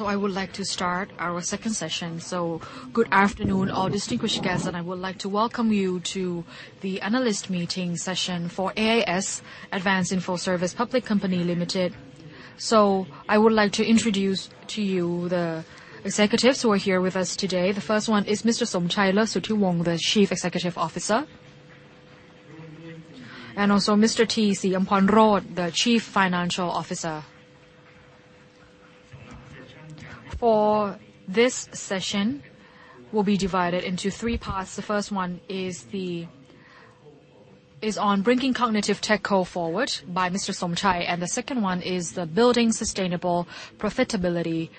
I would like to start our second session. Good afternoon, all distinguished guests, and I would like to welcome you to the analyst meeting session for AIS, Advanced Info Service Public Company Limited. I would like to introduce to you the executives who are here with us today. The first one is Mr. Somchai Lertsutiwong, the Chief Executive Officer. Also Mr. Tee Seeumpornroj, the Chief Financial Officer. For this session will be divided into three parts. The first one is on bringing cognitive technology forward by Mr. Somchai, and the second one is the building sustainable profitability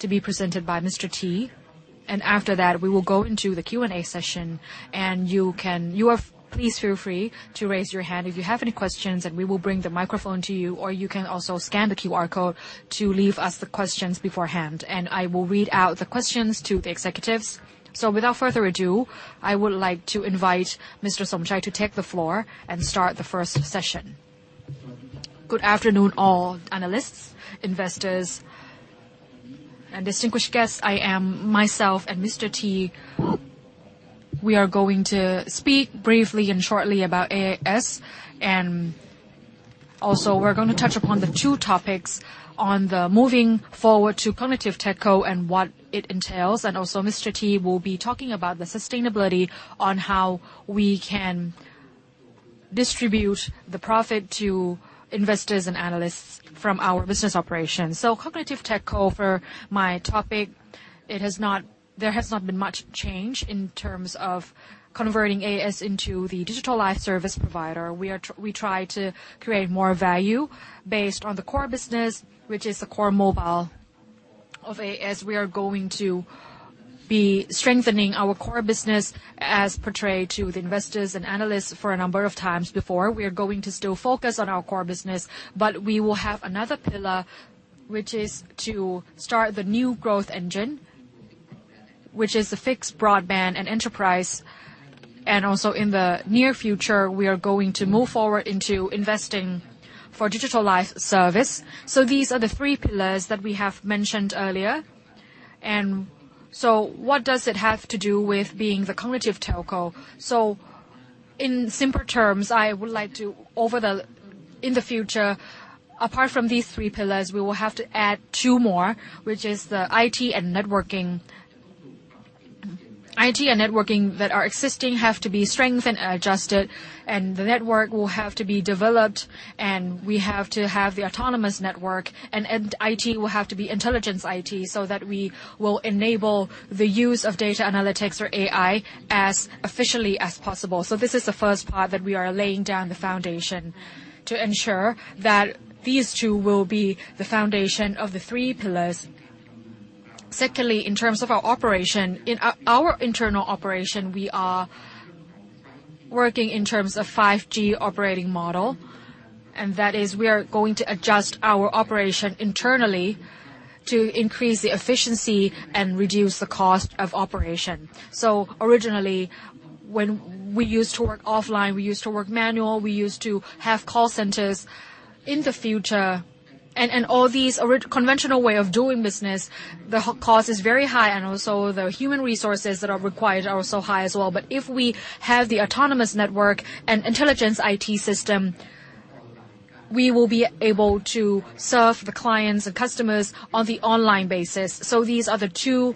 to be presented by Mr. Tee. After that, we will go into the Q&A session. Please feel free to raise your hand if you have any questions, and we will bring the microphone to you, or you can also scan the QR code to leave us the questions beforehand. I will read out the questions to the executives. Without further ado, I would like to invite Mr. Somchai Lertsutiwong to take the floor and start the first session. Good afternoon, all analysts, investors, and distinguished guests. I am myself and Mr. Tee Seeumpornroj. We are going to speak briefly and shortly about AIS, and also we're gonna touch upon the two topics on the moving forwcrard Cognitive Tech-Co and what it entails. Mr. Tee Seeumpornroj will be talking about the sustainability on how we can distribute the profit to investors and analysts from our business Cognitive Tech-Co for my topic, it has not. There has not been much change in terms of converting AIS into the digital life service provider. We try to create more value based on the core business, which is the core mobile of AIS. We are going to be strengthening our core business as portrayed to the investors and analysts for a number of times before. We are going to still focus on our core business, but we will have another pillar, which is to start the new growth engine, which is the Fixed Broadband and Enterprise, and also in the near future, we are going to move forward into investing for digital life service. These are the three pillars that we have mentioned earlier. What does it have to do with being the cognitive telco? In simpler terms, I would like to. In the future, apart from these three pillars, we will have to add two more, which is the IT and Networking. IT and Networking that are existing have to be strengthened and adjusted, and the network will have to be developed, and we have to have the Autonomous Network. IT will have to be Intelligent IT, so that we will enable the use of data analytics or AI as efficiently as possible. This is the first part that we are laying down the foundation to ensure that these two will be the foundation of the three pillars. Secondly, in terms of our operation, in our internal operation, we are working in terms of 5G operating model, and that is we are going to adjust our operation internally to increase the efficiency and reduce the cost of operation. Originally, when we used to work offline, we used to work manually, we used to have call centers. In the future, all these conventional ways of doing business, the high cost is very high, and also the human resources that are required are also high as well. If we have the autonomous network and intelligent IT system, we will be able to serve the clients and customers on the online basis. These are the two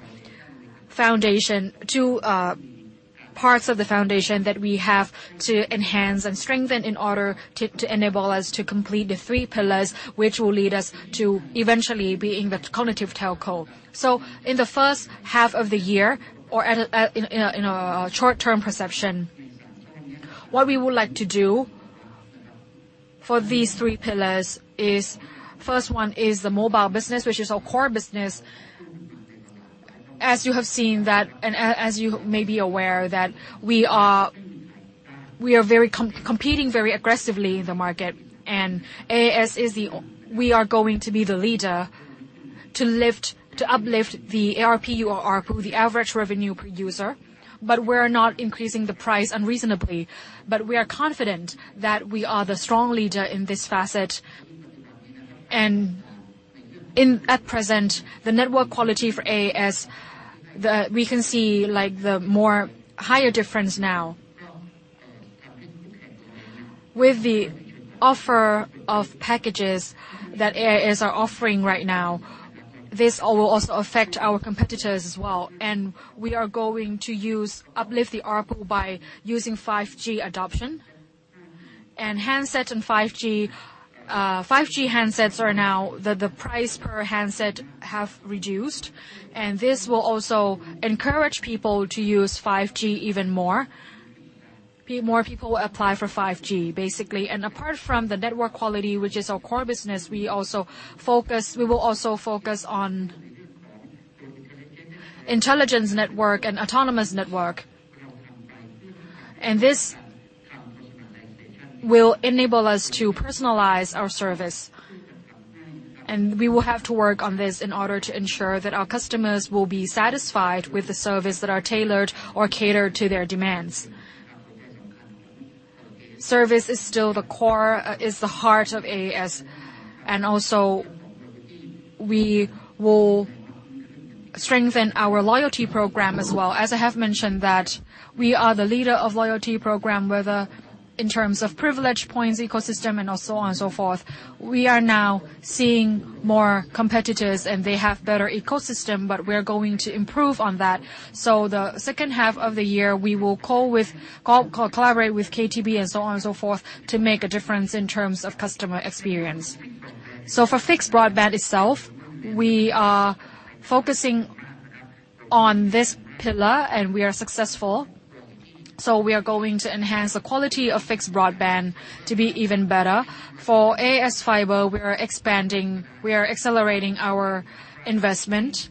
foundations, two parts of the foundation that we have to enhance and strengthen in order to enable us to complete the three pillars, which will lead us to eventually being the cognitive telco. In the first half of the year, in a short-term perspective, what we would like to do for these three pillars is first one is the mobile business, which is our core business. As you have seen that as you may be aware that we are, we are very competing very aggressively in the market. AIS is we are going to be the leader to uplift the ARPU, the average revenue per user, but we're not increasing the price unreasonably. We are confident that we are the strong leader in this facet. In at present, the network quality for AIS. We can see like the much higher difference now. With the offer of packages that AIS are offering right now, this will also affect our competitors as well. We are going to use, uplift the ARPU by using 5G adoption. 5G handsets are now the price per handset have reduced, and this will also encourage people to use 5G even more. More people apply for 5G, basically. Apart from the network quality, which is our core business, we will also focus on intelligent network and Autonomous Network. This will enable us to personalize our service. We will have to work on this in order to ensure that our customers will be satisfied with the service that are tailored or catered to their demands. Service is still the core, is the heart of AIS. We will also strengthen our loyalty program as well. As I have mentioned that we are the leader of loyalty program, whether in terms of privilege, points, ecosystem, and so on and so forth. We are now seeing more competitors, and they have better ecosystem, but we're going to improve on that. The second half of the year we will co-collaborate with KTB and so on and so forth to make a difference in terms of customer experience. For Fixed Broadband itself, we are focusing on this pillar, and we are successful. We are going to enhance the quality of Fixed Broadband to be even better. For AIS Fiber, we are expanding, we are accelerating our investment.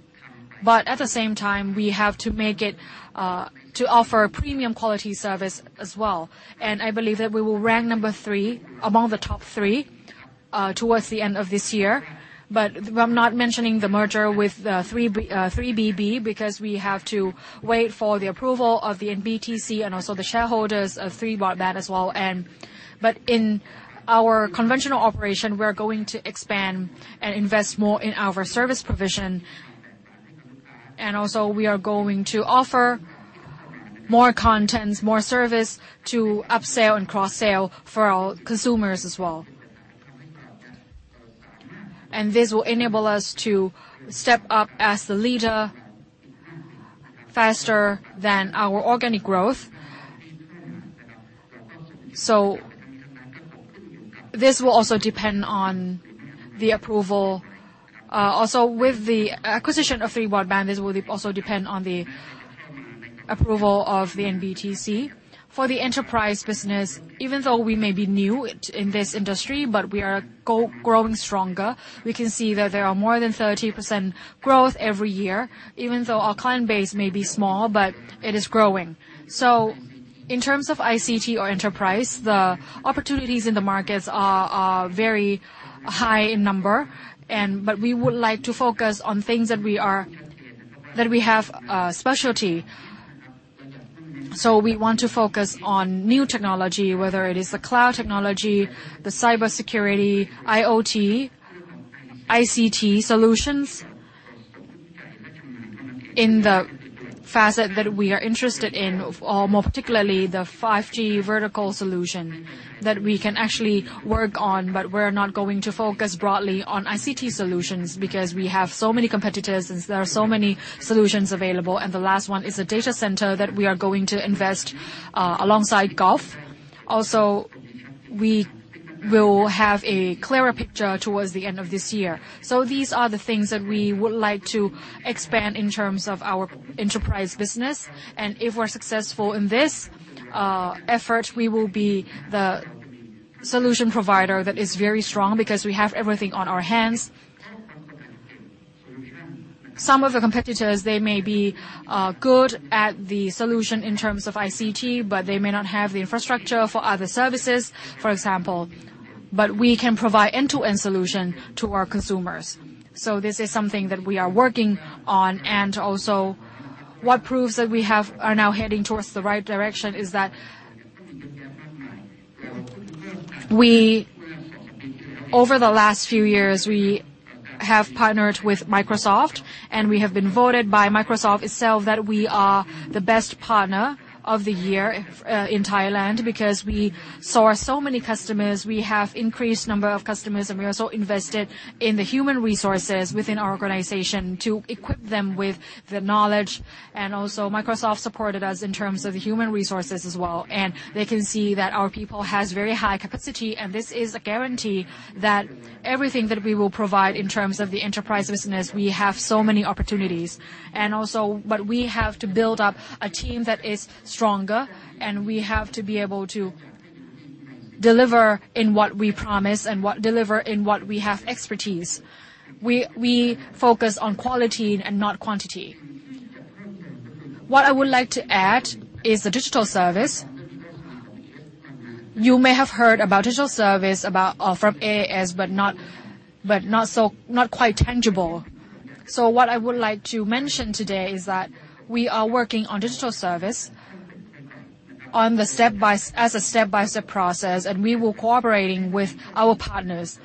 At the same time, we have to make it to offer premium quality service as well. I believe that we will rank number three among the top three towards the end of this year. I'm not mentioning the merger with 3BB, because we have to wait for the approval of the NBTC and also the shareholders of 3BB as well. In our conventional operation, we're going to expand and invest more in our service provision. We are going to offer more contents, more service to upsell and cross-sale for our consumers as well. This will enable us to step up as the leader faster than our organic growth. This will also depend on the approval. With the acquisition of 3BB, this will also depend on the approval of the NBTC. For the Enterprise business, even though we may be new in this industry, but we are growing stronger. We can see that there are more than 30% growth every year, even though our client base may be small, but it is growing. In terms of ICT or Enterprise, the opportunities in the markets are very high in number, but we would like to focus on things that we have a specialty. We want to focus on new technology, whether it is the cloud technology, the cybersecurity, IoT, ICT solutions. In the facet that we are interested in or more particularly the 5G vertical solution that we can actually work on, but we're not going to focus broadly on ICT solutions because we have so many competitors and there are so many solutions available. The last one is a data center that we are going to invest alongside Gulf. Also, we will have a clearer picture towards the end of this year. These are the things that we would like to expand in terms of our Enterprise business. If we're successful in this effort, we will be the solution provider that is very strong because we have everything on our hands. Some of the competitors, they may be good at the solution in terms of ICT, but they may not have the infrastructure for other services, for example. We can provide end-to-end solution to our consumers. This is something that we are working on. Also what proves that we are now heading towards the right direction is that we... Over the last few years, we have partnered with Microsoft, and we have been voted by Microsoft itself that we are the best partner of the year in Thailand, because we saw so many customers. We have increased number of customers, and we also invested in the human resources within our organization to equip them with the knowledge. Microsoft supported us in terms of the human resources as well. They can see that our people has very high capacity, and this is a guarantee that everything that we will provide in terms of the Enterprise business, we have so many opportunities. We have to build up a team that is stronger, and we have to be able to deliver what we promise and deliver in what we have expertise. We focus on quality and not quantity. What I would like to add is the digital service. You may have heard about digital service from AIS, but not so, not quite tangible. What I would like to mention today is that we are working on digital service as a step-by-step process, and we were cooperating with our partners.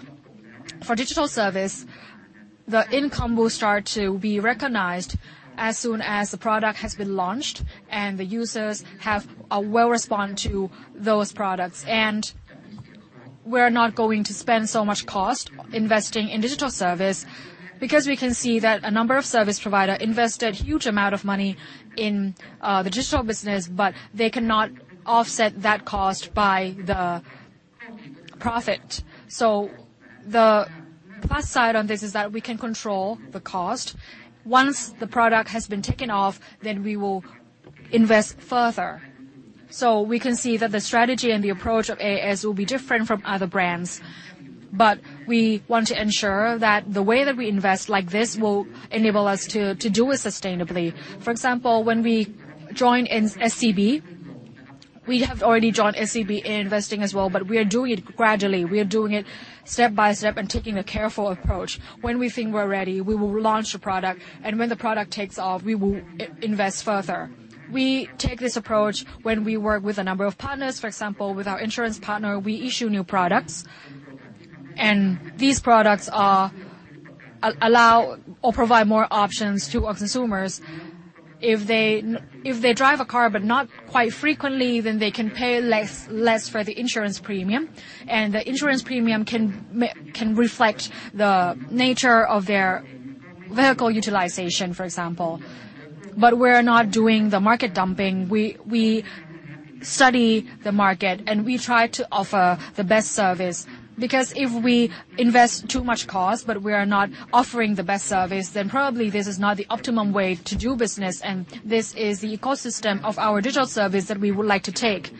For digital service, the income will start to be recognized as soon as the product has been launched and the users have respond to those products. We're not going to spend so much cost investing in digital service because we can see that a number of service provider invested huge amount of money in the digital business, but they cannot offset that cost by the profit. The plus side on this is that we can control the cost. Once the product has been taken off, then we will invest further. We can see that the strategy and the approach of AIS will be different from other brands. We want to ensure that the way that we invest like this will enable us to do it sustainably. For example, when we join in SCB, we have already joined SCB in investing as well, but we are doing it gradually. We are doing it step by step and taking a careful approach. When we think we're ready, we will launch the product, and when the product takes off, we will invest further. We take this approach when we work with a number of partners. For example, with our insurance partner, we issue new products. These products allow or provide more options to our consumers. If they drive a car but not quite frequently, then they can pay less for the insurance premium, and the insurance premium can reflect the nature of their vehicle utilization, for example. We're not doing the market dumping. We study the market, and we try to offer the best service because if we invest too much cost but we are not offering the best service, then probably this is not the optimum way to do business, and this is the ecosystem of our digital service that we would like to take.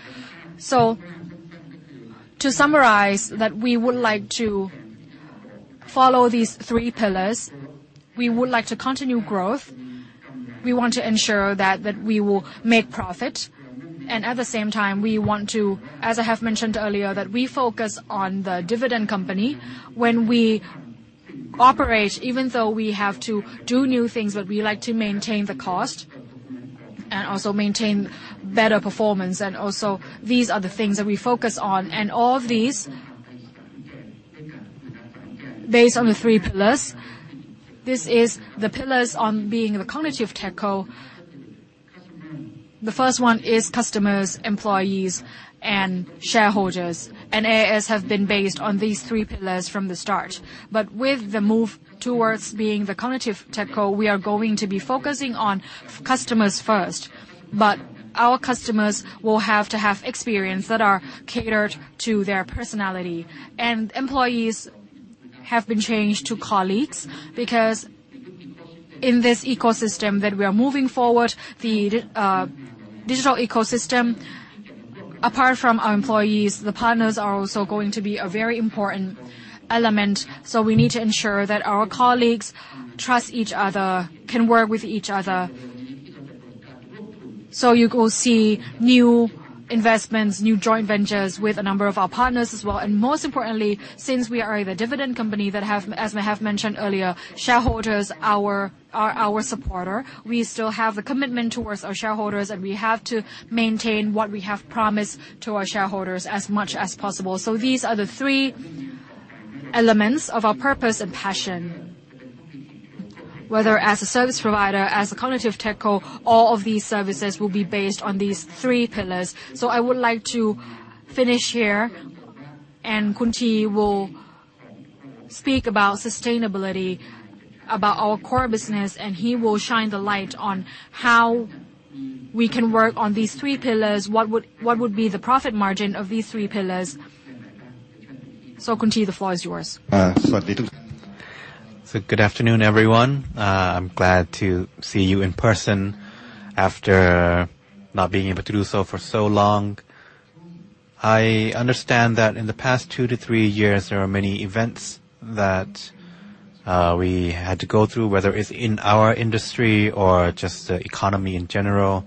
To summarize, that we would like to follow these three pillars. We would like to continue growth. We want to ensure that we will make profit. At the same time, we want to, as I have mentioned earlier, that we focus on the dividend company. When we operate, even though we have to do new things, but we like to maintain the cost and also maintain better performance, and also these are the things that we focus on. All of these based on the three pillars. This is the pillars on being Cognitive Tech-Co. The first one is customers, employees, and shareholders, and AIS have been based on these three pillars from the start. With the move towards being Cognitive Tech-Co, we are going to be focusing on customers first, but our customers will have to have experience that are catered to their personality. Employees have been changed to colleagues because in this ecosystem that we are moving forward, the digital ecosystem, apart from our employees, the partners are also going to be a very important element. We need to ensure that our colleagues trust each other, can work with each other. You will see new investments, new joint ventures with a number of our partners as well. Most importantly, since we are a dividend company that have, as I have mentioned earlier, shareholders are our supporter, we still have a commitment towards our shareholders, and we have to maintain what we have promised to our shareholders as much as possible. These are the three elements of our purpose and passion. Whether as a service provider, as Cognitive Tech-Co, all of these services will be based on these three pillars. I would like to finish here, and Khun Tee will speak about sustainability, about our core business, and he will shine the light on how we can work on these three pillars, what would be the profit margin of these three pillars. Khun Tee, the floor is yours. Good afternoon, everyone. I'm glad to see you in person after not being able to do so for so long. I understand that in the past 2-3 years, there are many events that we had to go through, whether it's in our industry or just the economy in general,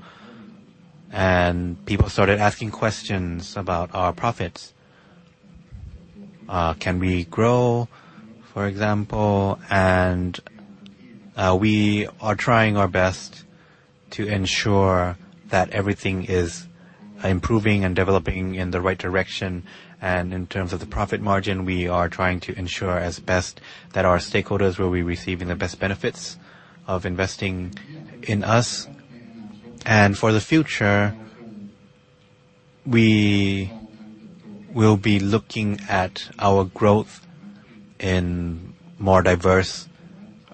and people started asking questions about our profits, can we grow, for example? We are trying our best to ensure that everything is improving and developing in the right direction. In terms of the profit margin, we are trying to ensure as best that our stakeholders will be receiving the best benefits of investing in us. For the future, we will be looking at our growth in more diverse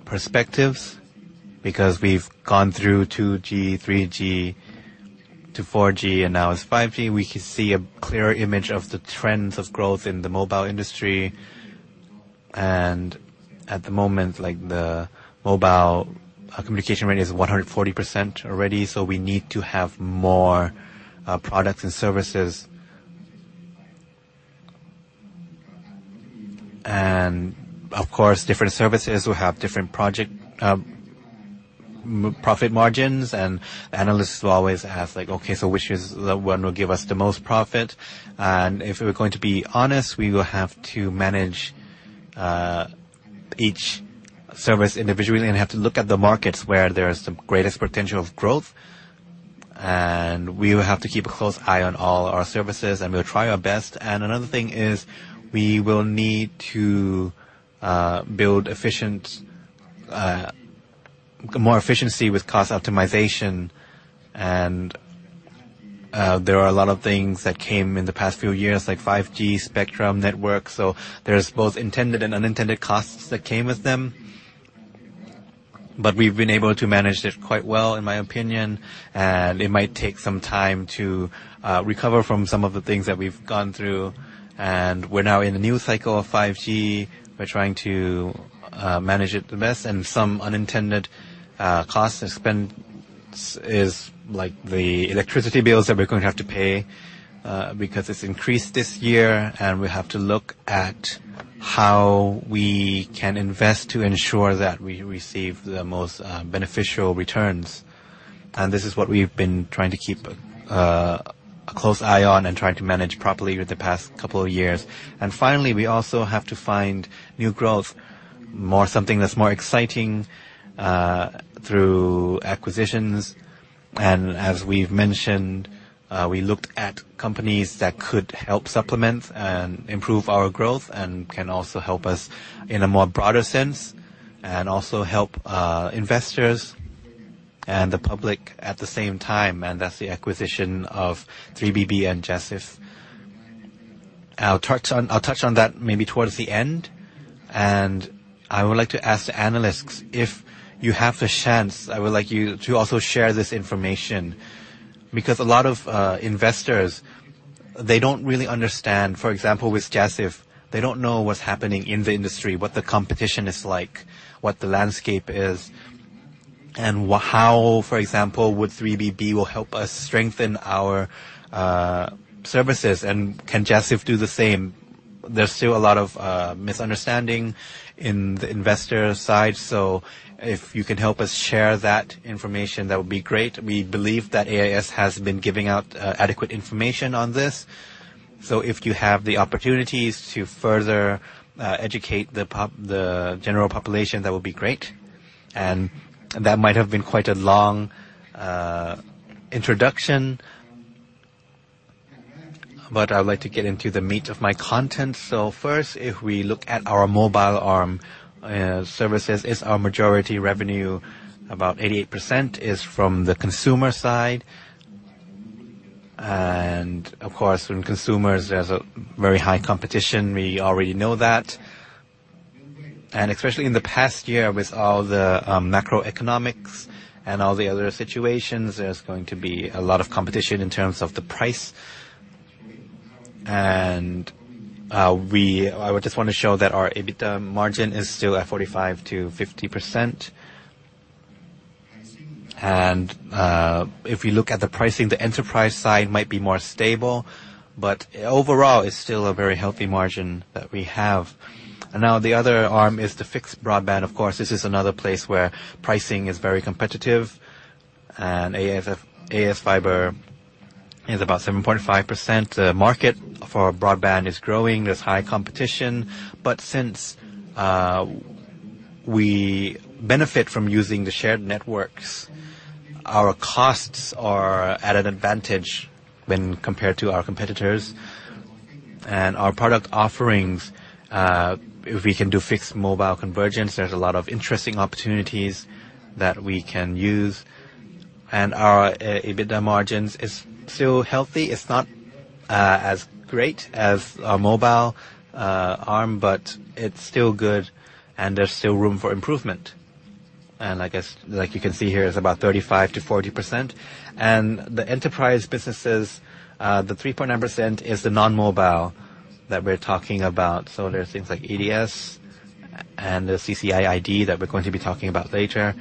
perspectives because we've gone through 2G, 3G to 4G, and now it's 5G. We can see a clearer image of the trends of growth in the mobile industry. At the moment, like the mobile communication rate is 140% already, so we need to have more products and services. Of course, different services will have different projected profit margins, and analysts will always ask like, "Okay, so which is the one will give us the most profit?" If we're going to be honest, we will have to manage each service individually, and have to look at the markets where there is the greatest potential of growth. We will have to keep a close eye on all our services, and we'll try our best. Another thing is we will need to build more efficiency with cost optimization. There are a lot of things that came in the past few years, like 5G spectrum network. There's both intended and unintended costs that came with them, but we've been able to manage it quite well, in my opinion. It might take some time to recover from some of the things that we've gone through. We're now in a new cycle of 5G. We're trying to manage it the best, and some unintended costs and spends is like the electricity bills that we're going to have to pay because it's increased this year. We have to look at how we can invest to ensure that we receive the most beneficial returns. This is what we've been trying to keep a close eye on and trying to manage properly with the past couple of years. Finally, we also have to find new growth, more something that's more exciting through acquisitions. As we've mentioned, we looked at companies that could help supplement and improve our growth, and can also help us in a more broader sense, and also help investors and the public at the same time. That's the acquisition of 3BB and JASIF. I'll touch on that maybe towards the end. I would like to ask the analysts, if you have the chance, I would like you to also share this information. Because a lot of investors, they don't really understand, for example, with JASIF, they don't know what's happening in the industry, what the competition is like, what the landscape is, and how, for example, would 3BB will help us strengthen our services, and can JASIF do the same? There's still a lot of misunderstanding in the investor side, so if you can help us share that information, that would be great. We believe that AIS has been giving out adequate information on this. If you have the opportunities to further educate the general population, that would be great. That might have been quite a long introduction, but I would like to get into the meat of my content. First, if we look at our mobile arm services, it's our majority revenue. About 88% is from the consumer side. Of course, in consumers, there's a very high competition. We already know that. Especially in the past year with all the macroeconomics and all the other situations, there's going to be a lot of competition in terms of the price. I just wanna show that our EBITDA margin is still at 45%-50%. If you look at the pricing, the Enterprise side might be more stable, but overall, it's still a very healthy margin that we have. Now, the other arm is the Fixed Broadband. Of course, this is another place where pricing is very competitive. AIS Fibre is about 7.5%. The market for broadband is growing. There's high competition. But since we benefit from using the shared networks, our costs are at an advantage when compared to our competitors. Our product offerings, if we can do Fixed-Mobile Convergence, there's a lot of interesting opportunities that we can use. Our EBITDA margins is still healthy. It's not as great as our mobile arm, but it's still good, and there's still room for improvement. I guess, like you can see here, it's about 35%-40%. The Enterprise businesses, the 3.9% is the non-mobile that we're talking about. There are things like EDS and the CCID that we're going to be talking about later.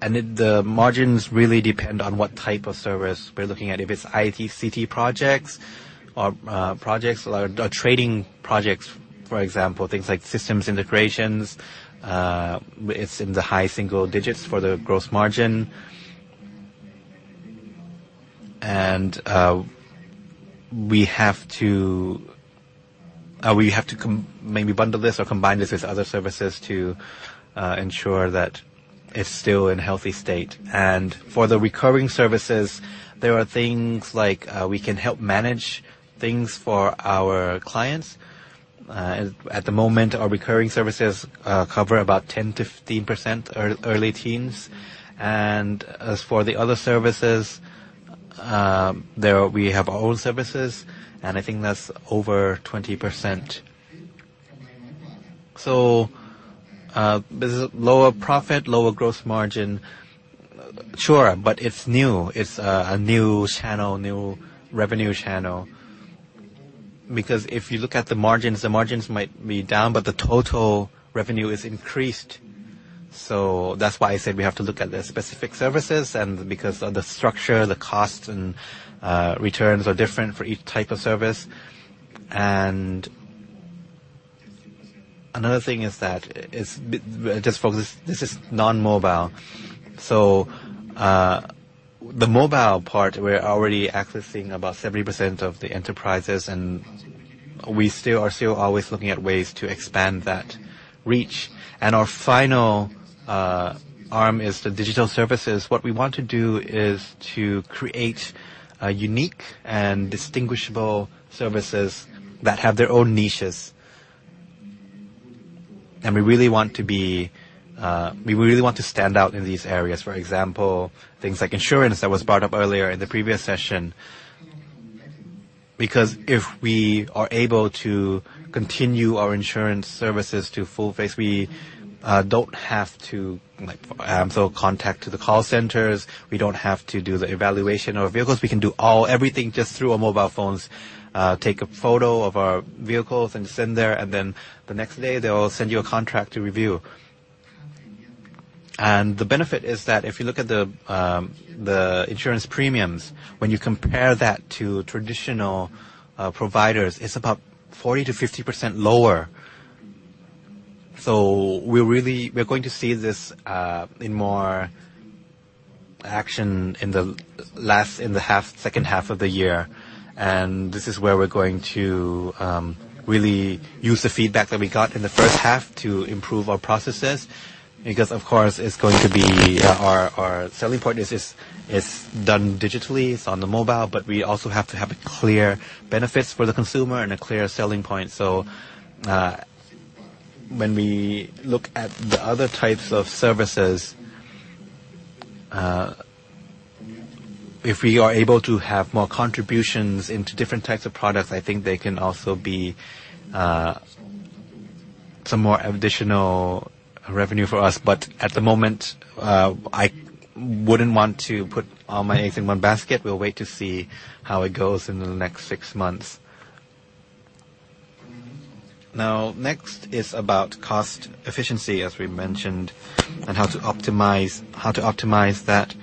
The margins really depend on what type of service we're looking at. If it's ICT projects or trading projects, for example, things like systems integrations, it's in the high single digits for the gross margin. We have to maybe bundle this or combine this with other services to ensure that it's still in healthy state. For the recurring services, there are things like, we can help manage things for our clients. At the moment, our recurring services cover about 10%-15%, early teens. As for the other services, there we have our own services, and I think that's over 20%. There's a lower profit, lower gross margin. Sure, but it's new. It's a new channel, new revenue channel. Because if you look at the margins, the margins might be down, but the total revenue is increased. That's why I said we have to look at the specific services and because of the structure, the cost and returns are different for each type of service. Another thing is that is just focus, this is non-mobile. The mobile part, we're already accessing about 70% of the enterprises, and we are still always looking at ways to expand that reach. Our final arm is the digital services. What we want to do is to create unique and distinguishable services that have their own niches. We really want to be. We really want to stand out in these areas. For example, things like insurance that was brought up earlier in the previous session. Because if we are able to continue our insurance services to full force, we don't have to like, so much contact to the call centers. We don't have to do the evaluation of vehicles. We can do all, everything just through our mobile phones. Take a photo of our vehicles and send there, and then the next day they will send you a contract to review. The benefit is that if you look at the insurance premiums, when you compare that to traditional providers, it's about 40%-50% lower. We're really going to see this in more action in the second half of the year. This is where we're going to really use the feedback that we got in the first half to improve our processes, because of course, it's going to be our selling point is done digitally, it's on the mobile, but we also have to have a clear benefit for the consumer and a clear selling point. When we look at the other types of services, if we are able to have more contributions into different types of products, I think they can also be some more additional revenue for us. At the moment, I wouldn't want to put all my eggs in one basket. We'll wait to see how it goes in the next six months. Now, next is about cost efficiency, as we mentioned, and how to optimize that.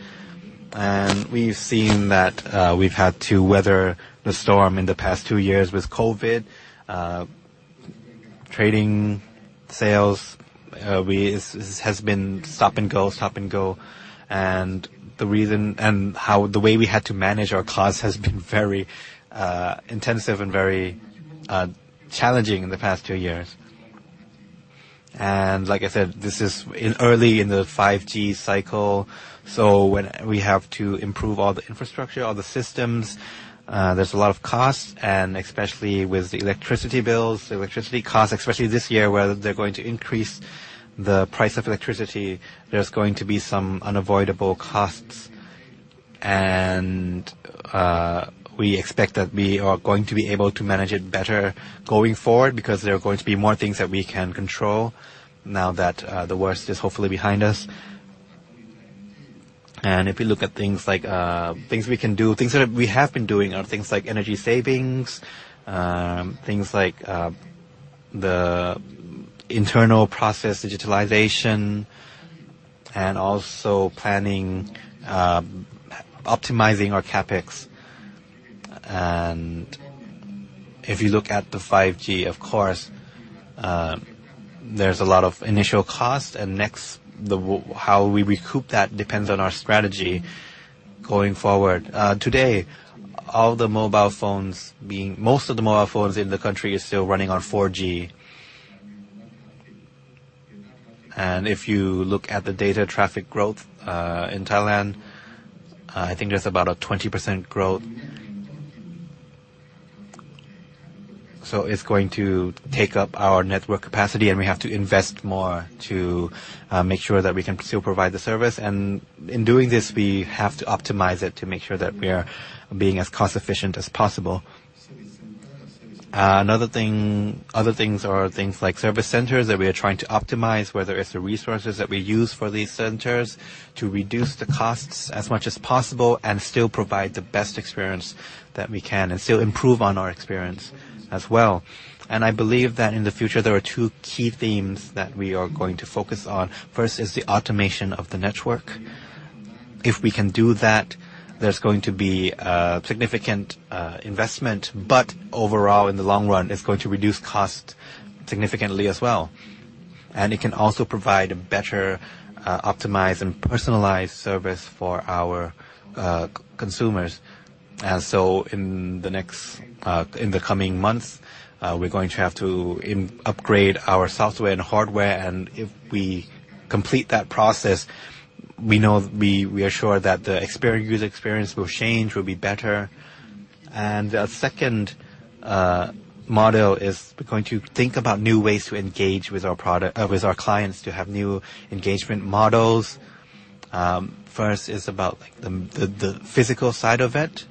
We've seen that we've had to weather the storm in the past two years with COVID. Trading sales it has been stop and go. The way we had to manage our costs has been very intensive and very challenging in the past two years. Like I said, this is early in the 5G cycle, so when we have to improve all the infrastructure, all the systems, there's a lot of costs, and especially with the electricity bills, the electricity costs, especially this year, where they're going to increase the price of electricity, there's going to be some unavoidable costs. We expect that we are going to be able to manage it better going forward because there are going to be more things that we can control now that the worst is hopefully behind us. If you look at things like things we can do, things that we have been doing are things like energy savings, things like the internal process digitalization and also planning, optimizing our CapEx. If you look at the 5G, of course, there's a lot of initial cost and next, how we recoup that depends on our strategy going forward. Today, most of the mobile phones in the country are still running on 4G. If you look at the data traffic growth in Thailand, I think there's about a 20% growth. So it's going to take up our network capacity, and we have to invest more to make sure that we can still provide the service. In doing this, we have to optimize it to make sure that we are being as cost-efficient as possible. Another thing, other things are things like service centers that we are trying to optimize, whether it's the resources that we use for these centers to reduce the costs as much as possible and still provide the best experience that we can and still improve on our experience as well. I believe that in the future, there are two key themes that we are going to focus on. First is the automation of the network. If we can do that, there's going to be a significant investment. But overall, in the long run, it's going to reduce cost significantly as well. It can also provide a better optimized and personalized service for our consumers. In the next, in the coming months, we're going to have to upgrade our software and hardware, and if we complete that process, we are sure that the user experience will change, will be better. The second model is we're going to think about new ways to engage with our clients to have new engagement models. First is about the physical side of it,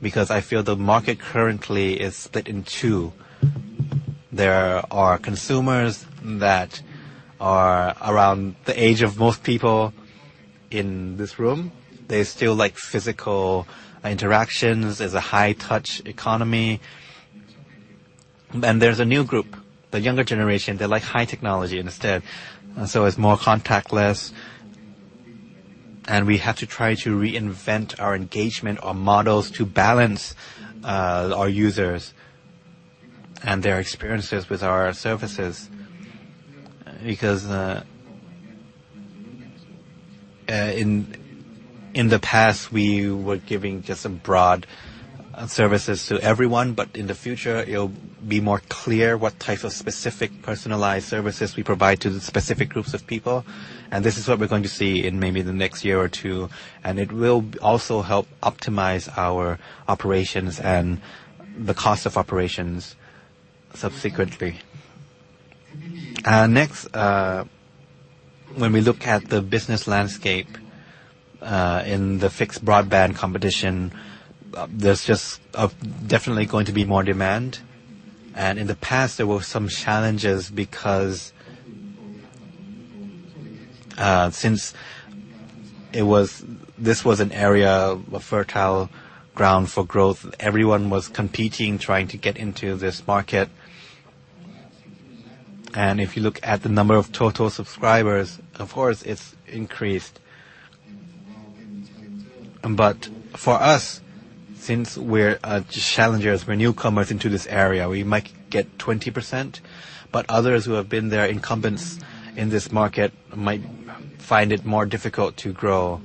because I feel the market currently is split in two. There are consumers that are around the age of most people in this room. They still like physical interactions. There's a high-touch economy. Then there's a new group, the younger generation, they like high technology instead. It's more contactless. We have to try to reinvent our engagement or models to balance, our users and their experiences with our services. Because, in the past, we were giving just a broad services to everyone. In the future, it'll be more clear what type of specific personalized services we provide to the specific groups of people. This is what we're going to see in maybe the next year or two, and it will also help optimize our operations and the cost of operations subsequently. Next, when we look at the business landscape, in the Fixed Broadband competition, there's just, definitely going to be more demand. In the past, there were some challenges because, since this was an area of fertile ground for growth, everyone was competing, trying to get into this market. If you look at the number of total subscribers, of course, it's increased. But for us, since we're challengers, we're newcomers into this area, we might get 20%, but others who have been there incumbents in this market might find it more difficult to grow.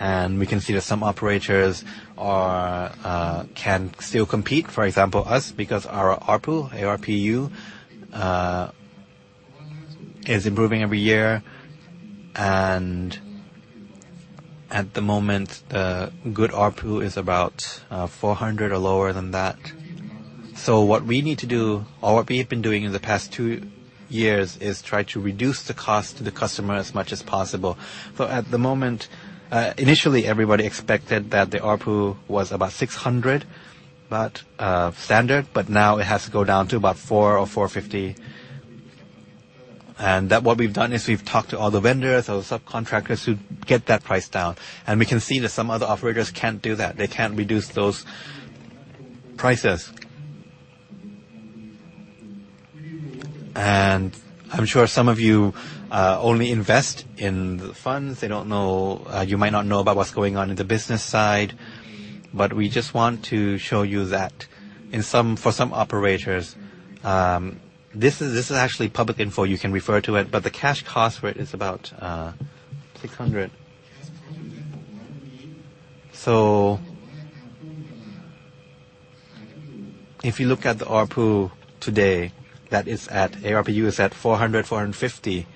We can see that some operators can still compete, for example, us, because our ARPU, A-R-P-U, is improving every year. At the moment, the good ARPU is about 400 or lower than that. What we need to do or what we have been doing in the past two years is try to reduce the cost to the customer as much as possible. At the moment, initially everybody expected that the ARPU was about 600, but standard, but now it has to go down to about 400 or 450. That's what we've done is we've talked to all the vendors or subcontractors to get that price down. We can see that some other operators can't do that. They can't reduce those prices. I'm sure some of you only invest in the funds. They don't know. You might not know about what's going on in the business side, but we just want to show you that for some operators, this is actually public info, you can refer to it, but the cash cost for it is about 600. If you look at the ARPU today, that is at, ARPU is at 400 and 450,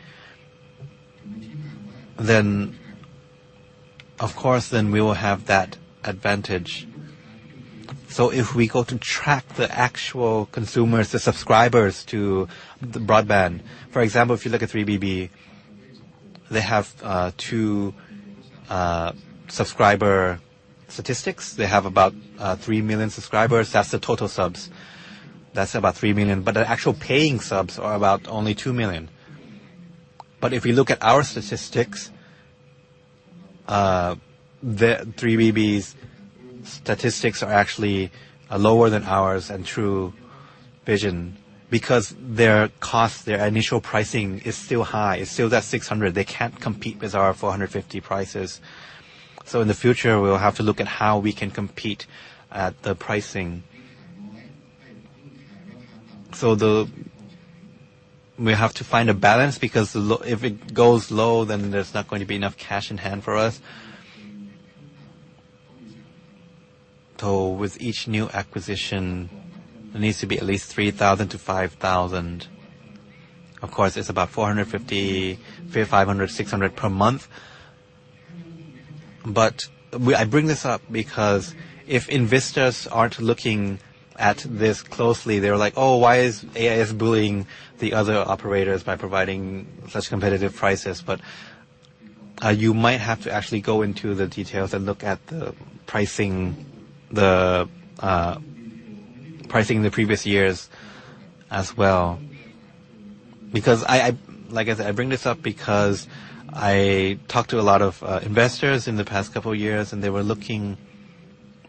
then of course we will have that advantage. If we go to track the actual consumers, the subscribers to the broadband, for example, if you look at 3BB, they have 2 subscriber statistics. They have about 3 million subscribers. That's the total subs. That's about 3 million. The actual paying subs are about only 2 million. If you look at our statistics, 3BB's statistics are actually lower than ours and TrueOnline because their cost, their initial pricing is still high. It's still that 600. They can't compete with our 450 prices. In the future, we'll have to look at how we can compete at the pricing. We have to find a balance because if it goes low, then there's not going to be enough cash in hand for us. With each new acquisition, it needs to be at least 3,000-5,000. Of course, it's about 450, 500, 600 per month. I bring this up because if investors aren't looking at this closely, they're like, "Oh, why is AIS bullying the other operators by providing such competitive prices?" You might have to actually go into the details and look at the pricing, the pricing in the previous years as well. Like I said, I bring this up because I talked to a lot of investors in the past couple of years, and they were looking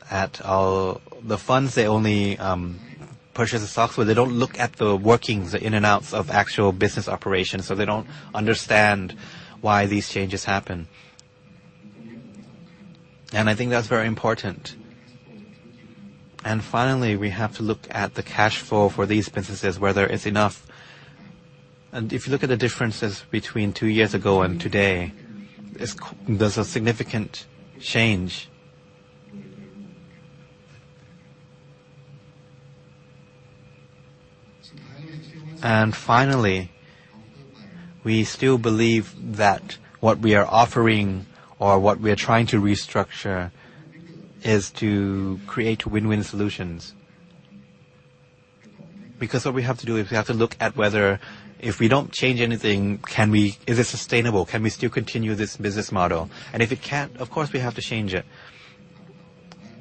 at the funds. They only purchase the software. They don't look at the workings, the in and outs of actual business operations, so they don't understand why these changes happen. I think that's very important. Finally, we have to look at the cash flow for these businesses, whether it's enough. If you look at the differences between two years ago and today, there's a significant change. Finally, we still believe that what we are offering or what we are trying to restructure is to create win-win solutions. Because what we have to do is we have to look at whether if we don't change anything, is it sustainable? Can we still continue this business model? If it can't, of course, we have to change it.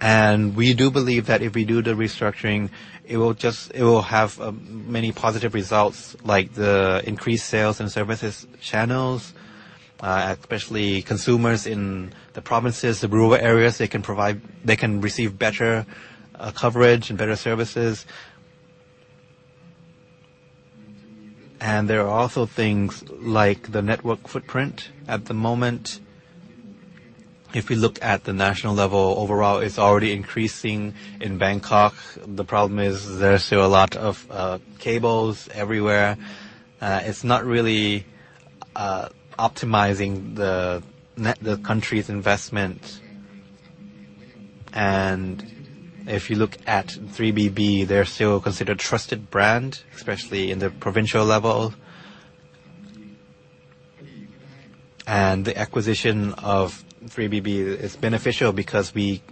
We do believe that if we do the restructuring, it will have many positive results like the increased sales and services channels, especially consumers in the provinces, the rural areas, they can receive better coverage and better services. There are also things like the network footprint at the moment. If we look at the national level overall, it's already increasing in Bangkok. The problem is there are still a lot of cables everywhere. It's not really optimizing the country's investment. If you look at 3BB, they're still considered trusted brand, especially in the provincial level. The acquisition of 3BB is beneficial because we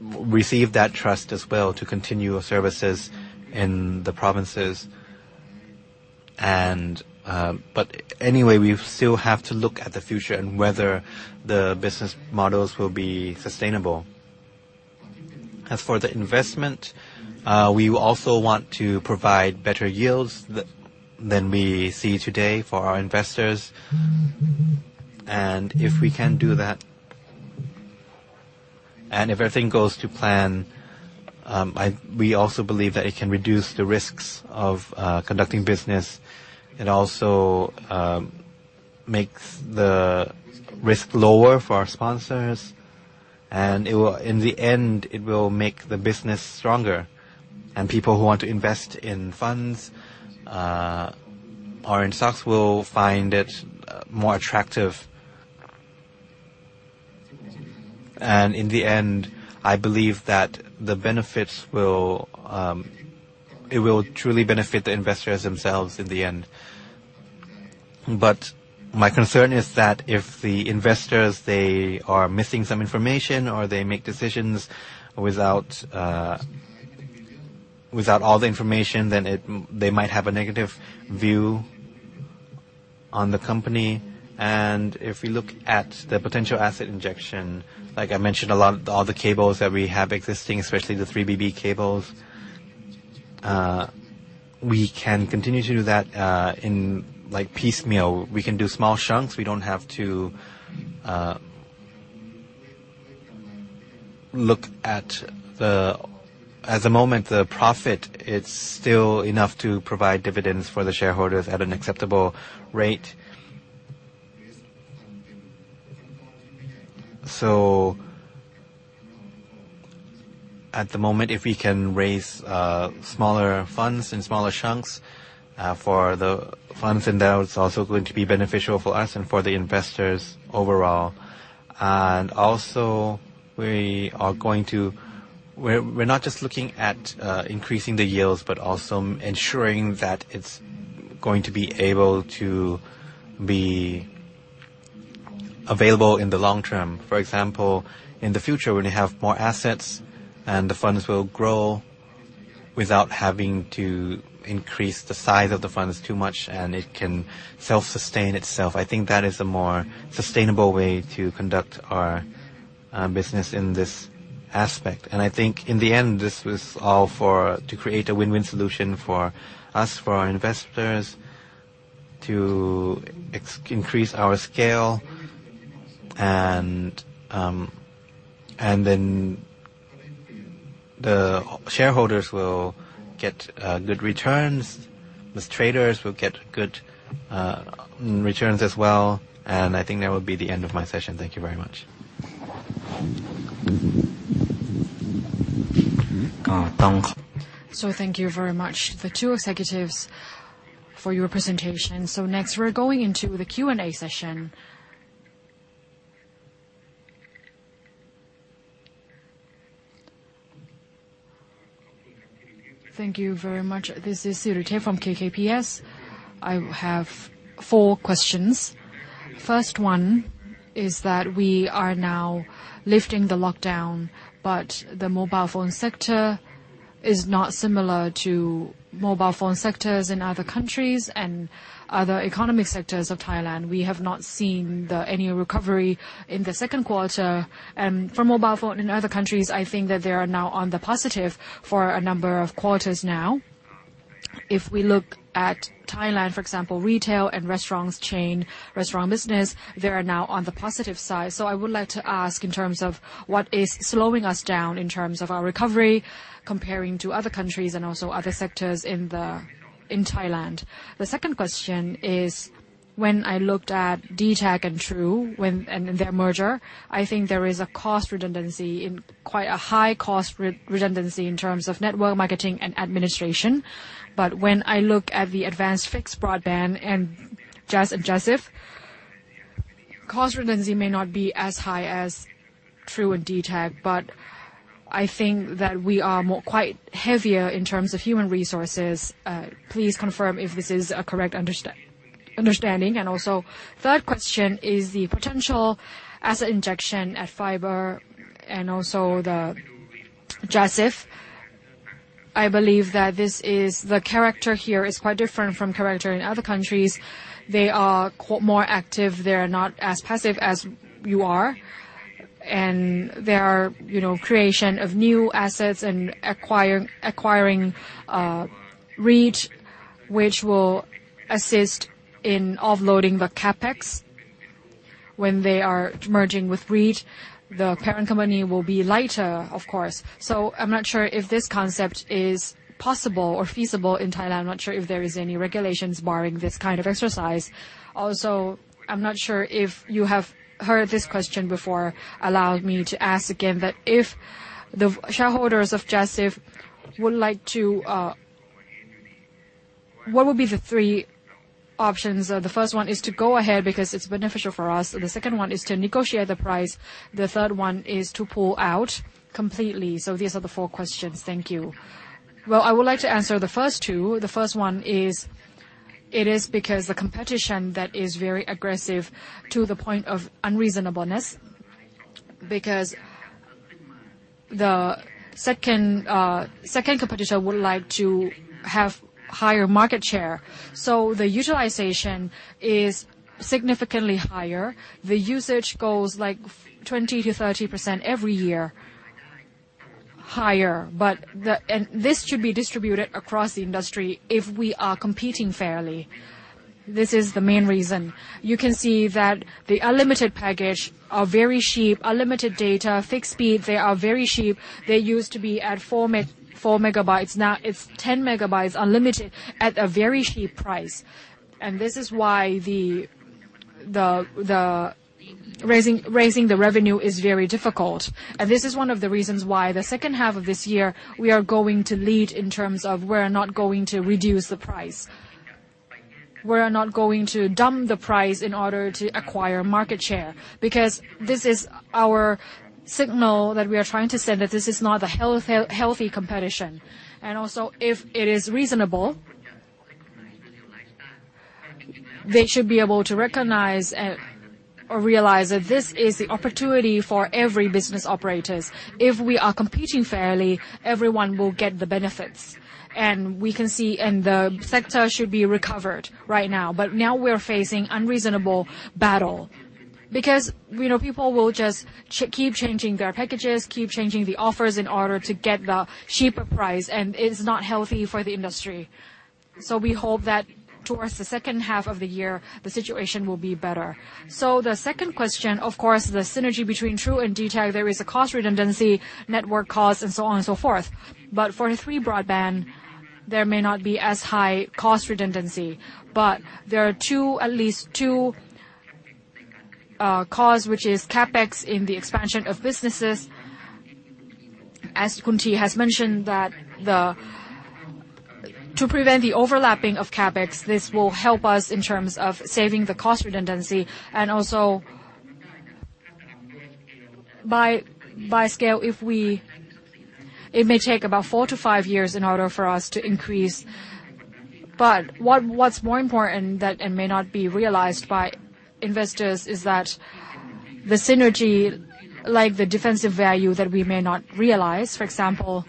receive that trust as well to continue our services in the provinces and, but anyway, we still have to look at the future and whether the business models will be sustainable. As for the investment, we also want to provide better yields than we see today for our investors. If everything goes to plan, we also believe that it can reduce the risks of conducting business. It also makes the risk lower for our sponsors, and it will. In the end, it will make the business stronger. People who want to invest in funds or in stocks will find it more attractive. In the end, I believe that the benefits will. It will truly benefit the investors themselves in the end. My concern is that if the investors they are missing some information or they make decisions without without all the information, then they might have a negative view on the company. If we look at the potential asset injection, like I mentioned, a lot of the cables that we have existing, especially the 3BB cables, we can continue to do that, in like piecemeal. We can do small chunks. We don't have to. At the moment, the profit it's still enough to provide dividends for the shareholders at an acceptable rate. At the moment, if we can raise smaller funds in smaller chunks for the funds in there, it's also going to be beneficial for us and for the investors overall. Also we are going to We're not just looking at increasing the yields, but also ensuring that it's going to be able to be available in the long term. For example, in the future, when you have more assets and the funds will grow without having to increase the size of the funds too much, and it can self-sustain itself, I think that is a more sustainable way to conduct our business in this aspect. I think in the end, this was all for to create a win-win solution for us, for our investors to increase our scale. Then the shareholders will get good returns. These traders will get good returns as well. I think that will be the end of my session. Thank you very much. Thank you very much, the two executives, for your presentation. Next, we're going into the Q&A session. Thank you very much. This is Thitithep from KKPS. I have four questions. First one is that we are now lifting the lockdown, but the mobile phone sector is not similar to mobile phone sectors in other countries and other economic sectors of Thailand. We have not seen any recovery in the second quarter. For mobile phone in other countries, I think that they are now on the positive for a number of quarters now. If we look at Thailand, for example, retail and restaurant chains, restaurant business, they are now on the positive side. I would like to ask in terms of what is slowing us down in terms of our recovery comparing to other countries and also other sectors in Thailand. The second question is, when I looked at dtac and True and their merger, I think there is a cost redundancy. Quite a high cost redundancy in terms of network marketing and administration. But when I look at the advanced Fixed Broadband and JAS and JASIF, cost redundancy may not be as high as True and dtac, but I think that we are more quite heavier in terms of human resources. Please confirm if this is a correct understanding. The third question is the potential asset injection at fiber and also the JASIF. I believe that this is the character here is quite different from character in other countries. They are more active. They're not as passive as you are. There are, you know, creation of new assets and acquiring REIT, which will assist in offloading the CapEx. When they are merging with REIT, the parent company will be lighter, of course. I'm not sure if this concept is possible or feasible in Thailand. I'm not sure if there is any regulations barring this kind of exercise. Also, I'm not sure if you have heard this question before. Allow me to ask again, that if the shareholders of JASIF would like to, what would be the three options? The first one is to go ahead because it's beneficial for us. The second one is to negotiate the price. The third one is to pull out completely. These are the four questions. Thank you. Well, I would like to answer the first two. The first one is, it is because the competition that is very aggressive to the point of unreasonableness. Because the second competitor would like to have higher market share. The utilization is significantly higher. The usage goes, like, 20%-30% every year higher, but the this should be distributed across the industry if we are competing fairly. This is the main reason. You can see that the unlimited package are very cheap, unlimited data, fixed speed, they are very cheap. They used to be at 4 Mbps, now it's 10 Mbps unlimited at a very cheap price. This is why the raising the revenue is very difficult. This is one of the reasons why the second half of this year, we are going to lead in terms of we're not going to reduce the price. We're not going to dump the price in order to acquire market share, because this is our signal that we are trying to send, that this is not a healthy competition. Also, if it is reasonable, they should be able to recognize or realize that this is the opportunity for every business operators. If we are competing fairly, everyone will get the benefits, and we can see and the sector should be recovered right now. Now we are facing unreasonable battle. Because, you know, people will just keep changing their packages, keep changing the offers in order to get the cheaper price, and it's not healthy for the industry. We hope that towards the second half of the year, the situation will be better. The second question, of course, the synergy between True and dtac, there is a cost redundancy, network cost, and so on and so forth. But for the 3BB, there may not be as high cost redundancy. But there are two, at least two, cost, which is CapEx in the expansion of businesses. To prevent the overlapping of CapEx, this will help us in terms of saving the cost redundancy and also by scale, if we. It may take about 4-5 years in order for us to increase. What's more important that it may not be realized by investors is that the synergy, like the defensive value that we may not realize. For example,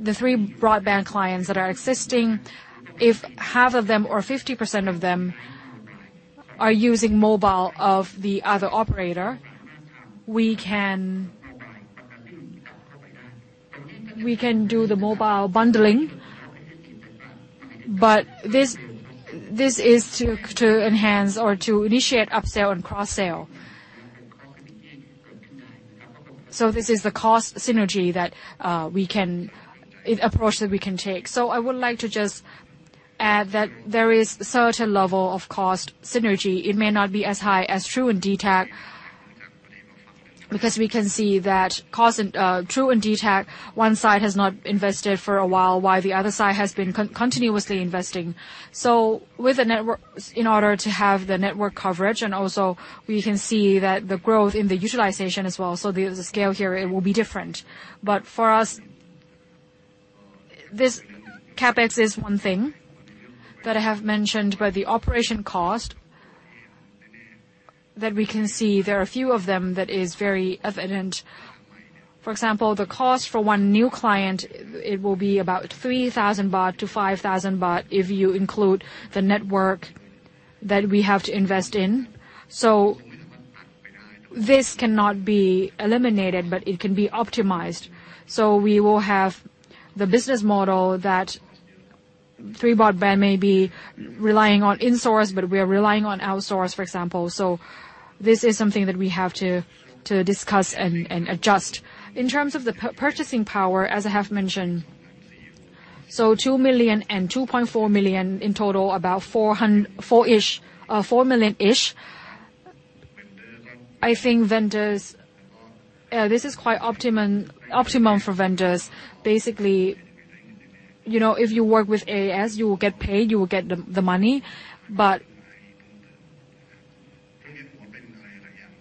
the 3BB broadband clients that are existing, if half of them or 50% of them are using mobile of the other operator, we can do the mobile bundling. This is to enhance or to initiate upsell and cross-sell. This is the cost synergy that we can approach that we can take. I would like to just add that there is certain level of cost synergy. It may not be as high as True and dtac, because we can see that cost in True and dtac, one side has not invested for a while the other side has been continuously investing. With the network in order to have the network coverage, and also we can see that the growth in the utilization as well. The scale here, it will be different. For us, this CapEx is one thing that I have mentioned, but the operation cost that we can see, there are a few of them that is very evident. For example, the cost for one new client, it will be about 3,000-5,000 baht if you include the network that we have to invest in. This cannot be eliminated, but it can be optimized. We will have the business model that 3BB may be relying on insource, but we are relying on outsource, for example. This is something that we have to discuss and adjust. In terms of the purchasing power, as I have mentioned, 2 million and 2.4 million in total, about 4.4 million-ish. I think vendors, this is quite optimum for vendors. Basically, you know, if you work with AIS, you will get paid, you will get the money. But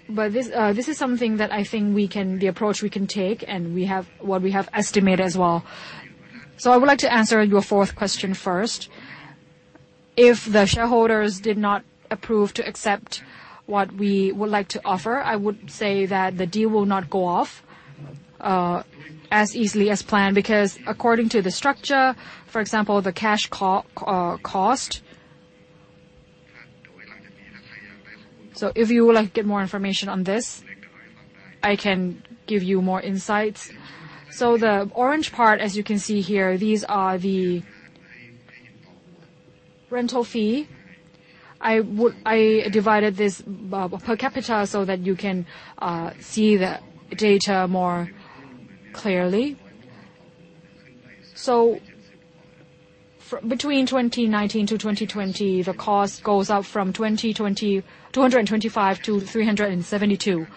this is something that I think we can take, the approach we can take, and what we have estimated as well. I would like to answer your fourth question first. If the shareholders did not approve to accept what we would like to offer, I would say that the deal will not go off as easily as planned, because according to the structure, for example, the cash cost. If you would like to get more information on this, I can give you more insights. The orange part, as you can see here, these are the rental fee. I divided this per capita so that you can see the data more clearly. Between 2019-2020, the cost goes up from 225-372.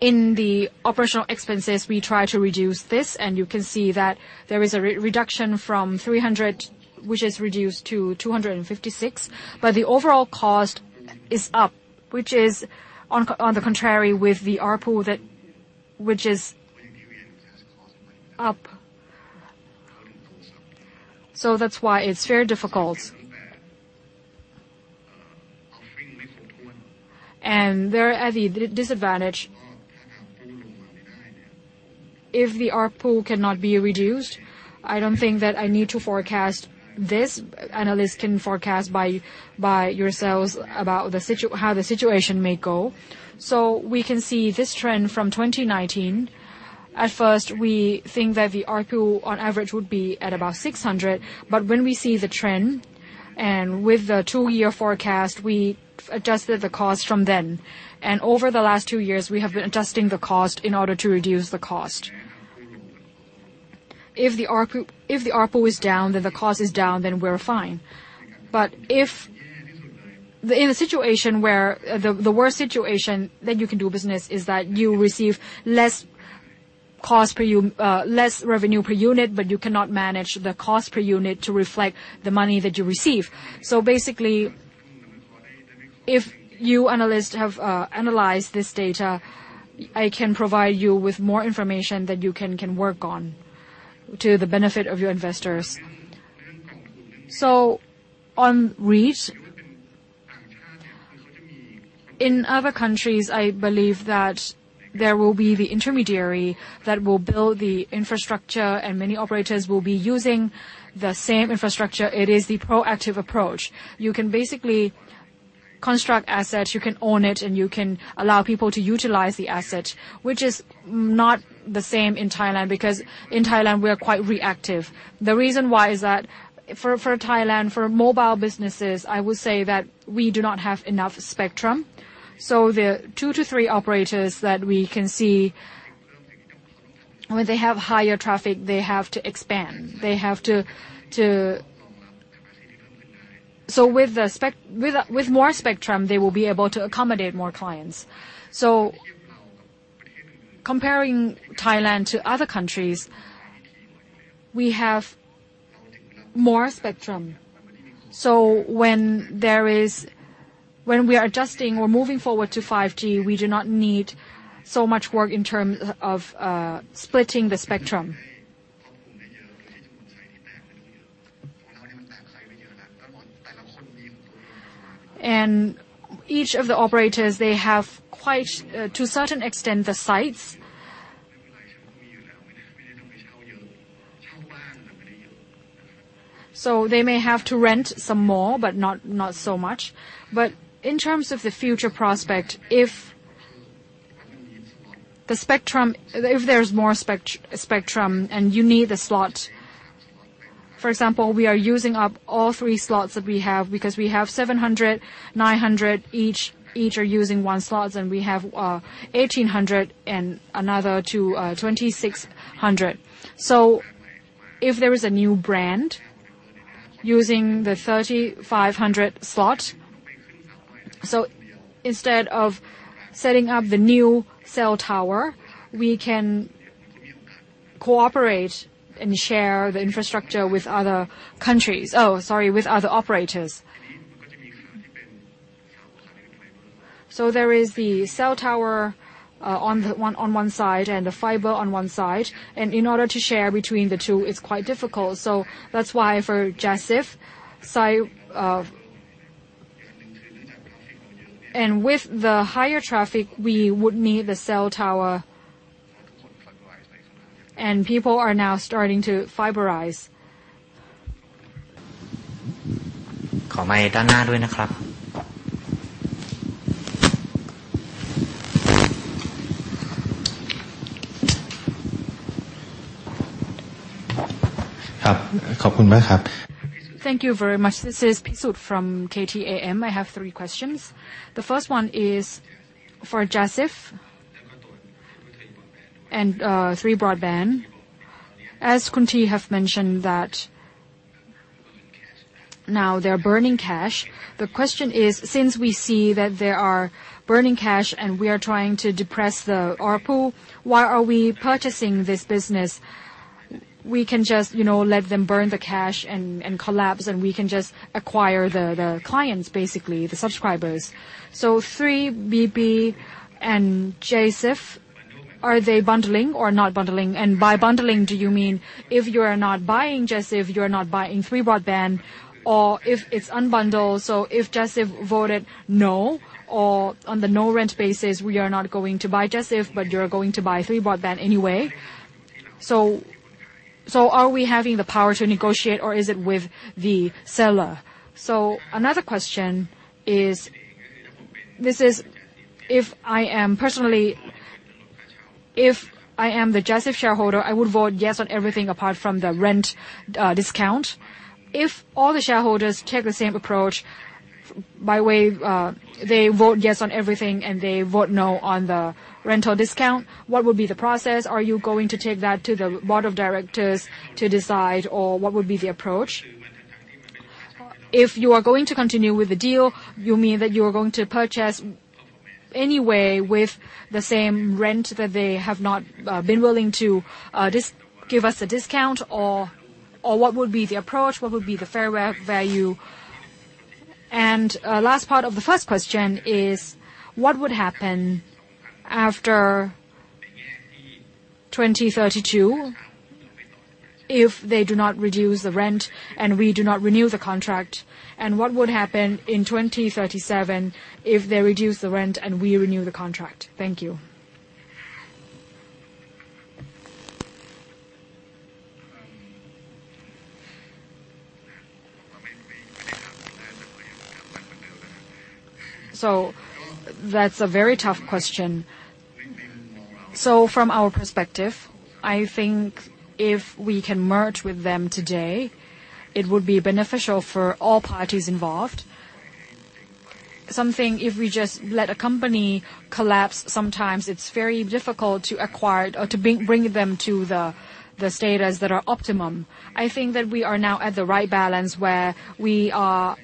In the operational expenses, we try to reduce this, and you can see that there is a reduction from 300, which is reduced to 256. The overall cost is up, which is on the contrary with the ARPU which is up. That's why it's very difficult. There are the disadvantage. If the ARPU cannot be reduced, I don't think that I need to forecast this. Analysts can forecast by yourselves about how the situation may go. We can see this trend from 2019. At first, we think that the ARPU on average would be at about 600, but when we see the trend, and with the two-year forecast, we adjusted the cost from then. Over the last two years, we have been adjusting the cost in order to reduce the cost. If the ARPU is down, then the cost is down, then we're fine. If In a situation where the worst situation that you can do business is that you receive less revenue per unit, but you cannot manage the cost per unit to reflect the money that you receive. Basically, if you analysts have analyzed this data, I can provide you with more information that you can work on to the benefit of your investors. On REIT, in other countries, I believe that there will be the intermediary that will build the infrastructure, and many operators will be using the same infrastructure. It is the proactive approach. You can basically construct assets, you can own it, and you can allow people to utilize the asset, which is not the same in Thailand, because in Thailand, we are quite reactive. The reason why is that for Thailand, for mobile businesses, I would say that we do not have enough spectrum. The 2-3 operators that we can see, when they have higher traffic, they have to expand. With more spectrum, they will be able to accommodate more clients. Comparing Thailand to other countries, we have more spectrum. When we are adjusting or moving forward to 5G, we do not need so much work in terms of splitting the spectrum. Each of the operators, they have quite to a certain extent the sites. They may have to rent some more, but not so much. In terms of the future prospect, if there's more spectrum and you need a slot. For example, we are using up all three slots that we have because we have 700, 900 each. Each are using one slots, and we have 1800 and another to 2600. If there is a new brand using the 3500 slot, instead of setting up the new cell tower, we can cooperate and share the infrastructure with other countries. Oh, sorry, with other operators. There is the cell tower on one side and a fiber on one side. In order to share between the two, it's quite difficult. That's why for JASIF. With the higher traffic, we would need the cell tower. People are now starting to fiberize. Thank you very much. This is Pisut from KTAM. I have three questions. The first one is for JASIF and 3BB. As Khun Tee has mentioned that now they're burning cash. The question is, since we see that they are burning cash, and we are trying to depress the ARPU, why are we purchasing this business? We can just, you know, let them burn the cash and collapse, and we can just acquire the clients, basically, the subscribers. 3BB and JASIF, are they bundling or not bundling? By bundling, do you mean if you are not buying JASIF, you are not buying 3BB? If it's unbundled, if JASIF voted no or on the no-rent basis, we are not going to buy JASIF, but you're going to buy 3BB anyway. Are we having the power to negotiate or is it with the seller? Another question is, this is if I am personally... If I am the JASIF shareholder, I would vote yes on everything apart from the rent discount. If all the shareholders take the same approach, by way of, they vote yes on everything and they vote no on the rental discount, what would be the process? Are you going to take that to the board of directors to decide, or what would be the approach? If you are going to continue with the deal, you mean that you are going to purchase anyway with the same rent that they have not been willing to give us a discount, or what would be the approach? What would be the fair value? Last part of the first question is what would happen after 2032. If they do not reduce the rent, and we do not renew the contract, and what would happen in 2037 if they reduce the rent and we renew the contract? Thank you. That's a very tough question. From our perspective, I think if we can merge with them today, it would be beneficial for all parties involved. But if we just let a company collapse, sometimes it's very difficult to acquire or to bring them to the status that are optimum. I think that we are now at the right balance where we are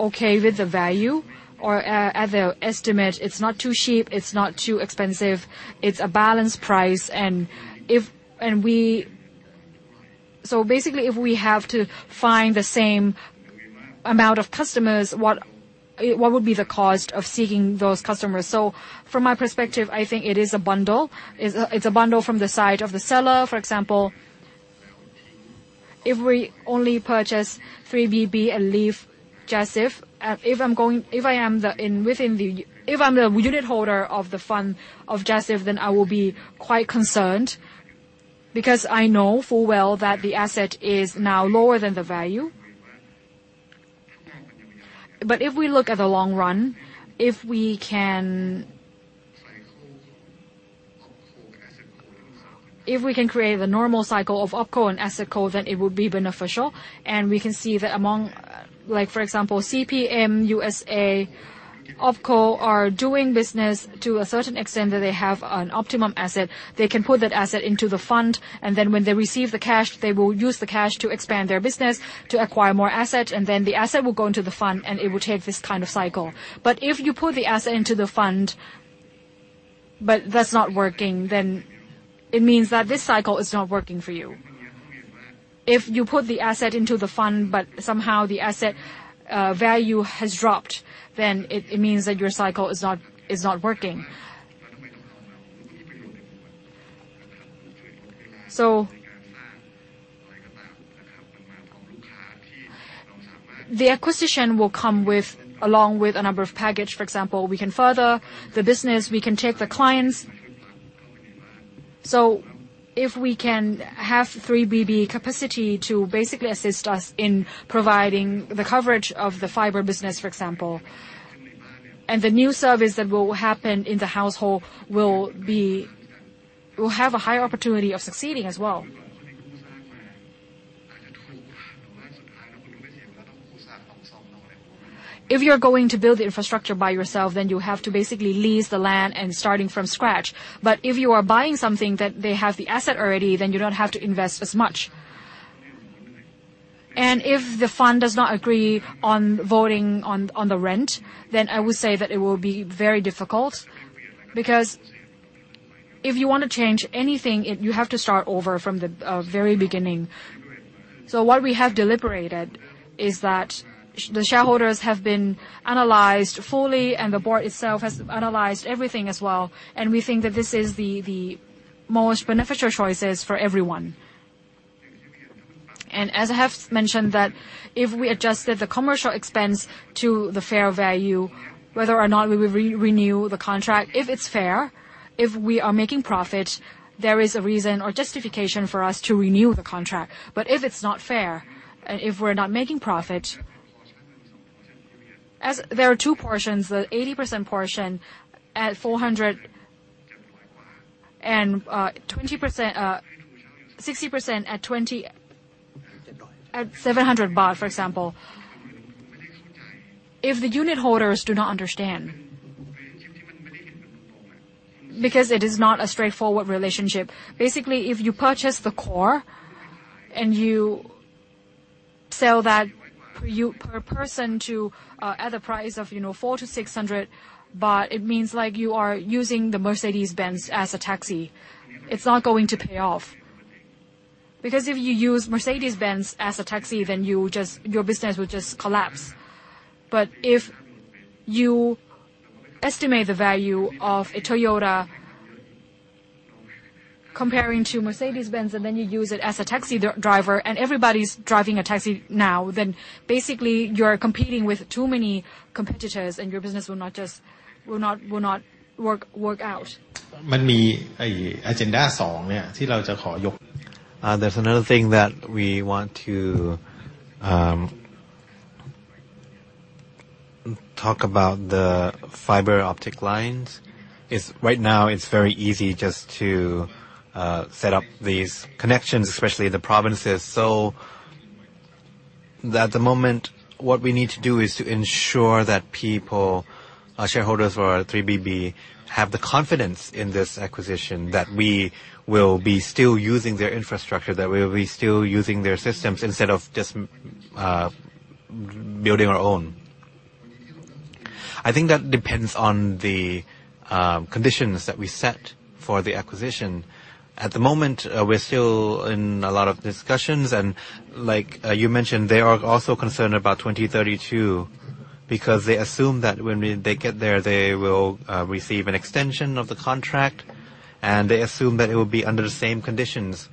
okay with the value or at the estimate. It's not too cheap. It's not too expensive. It's a balanced price. And if and we. Basically, if we have to find the same amount of customers, what would be the cost of seeking those customers? From my perspective, I think it is a bundle. It's a bundle from the side of the seller. For example, if we only purchase 3BB and leave JASIF, if I am the unitholder of the fund of JASIF, then I will be quite concerned because I know full well that the asset is now lower than the value. If we look at the long run, if we can create the normal cycle of OpCo and AssetCo, then it would be beneficial. We can see that among, like, for example, CPM, USA, OpCo are doing business to a certain extent that they have an optimum asset. They can put that asset into the fund, and then when they receive the cash, they will use the cash to expand their business to acquire more asset, and then the asset will go into the fund, and it will take this kind of cycle. If you put the asset into the fund, but that's not working, then it means that this cycle is not working for you. If you put the asset into the fund, but somehow the asset value has dropped, then it means that your cycle is not working. The acquisition will come along with a number of package. For example, we can further the business, we can take the clients. If we can have 3BB capacity to basically assist us in providing the coverage of the fiber business, for example. The new service that will happen in the household will be, will have a high opportunity of succeeding as well. If you're going to build the infrastructure by yourself, then you have to basically lease the land and starting from scratch. If you are buying something that they have the asset already, then you don't have to invest as much. If the fund does not agree on voting on the rent, then I would say that it will be very difficult. Because if you want to change anything, you have to start over from the very beginning. What we have deliberated is that the shareholders have been analyzed fully, and the board itself has analyzed everything as well. We think that this is the most beneficial choices for everyone. As I have mentioned that if we adjusted the commercial expense to the fair value, whether or not we will re-renew the contract, if it's fair, if we are making profit, there is a reason or justification for us to renew the contract. If it's not fair, if we're not making profit. As there are two portions, the 80% portion at 400 and 20%, 60% at 20, at 700 baht, for example. If the unitholders do not understand. Because it is not a straightforward relationship. Basically, if you purchase the core, and you sell that you per person to at the price of, you know, 400-600, but it means like you are using the Mercedes-Benz as a taxi. It's not going to pay off. Because if you use Mercedes-Benz as a taxi, then you just, your business will just collapse. If you estimate the value of a Toyota comparing to Mercedes-Benz, and then you use it as a taxi driver and everybody's driving a taxi now, then basically you're competing with too many competitors, and your business will not just work out. There's another thing that we want to talk about the fiber optic lines. Right now it's very easy just to set up these connections, especially in the provinces. At the moment, what we need to do is to ensure that people, our shareholders for our 3BB have the confidence in this acquisition that we will be still using their infrastructure, that we will be still using their systems instead of just building our own. I think that depends on the conditions that we set for the acquisition. At the moment, we're still in a lot of discussions, and like, you mentioned, they are also concerned about 2032. Because they assume that when they get there, they will receive an extension of the contract, and they assume that it will be under the same conditions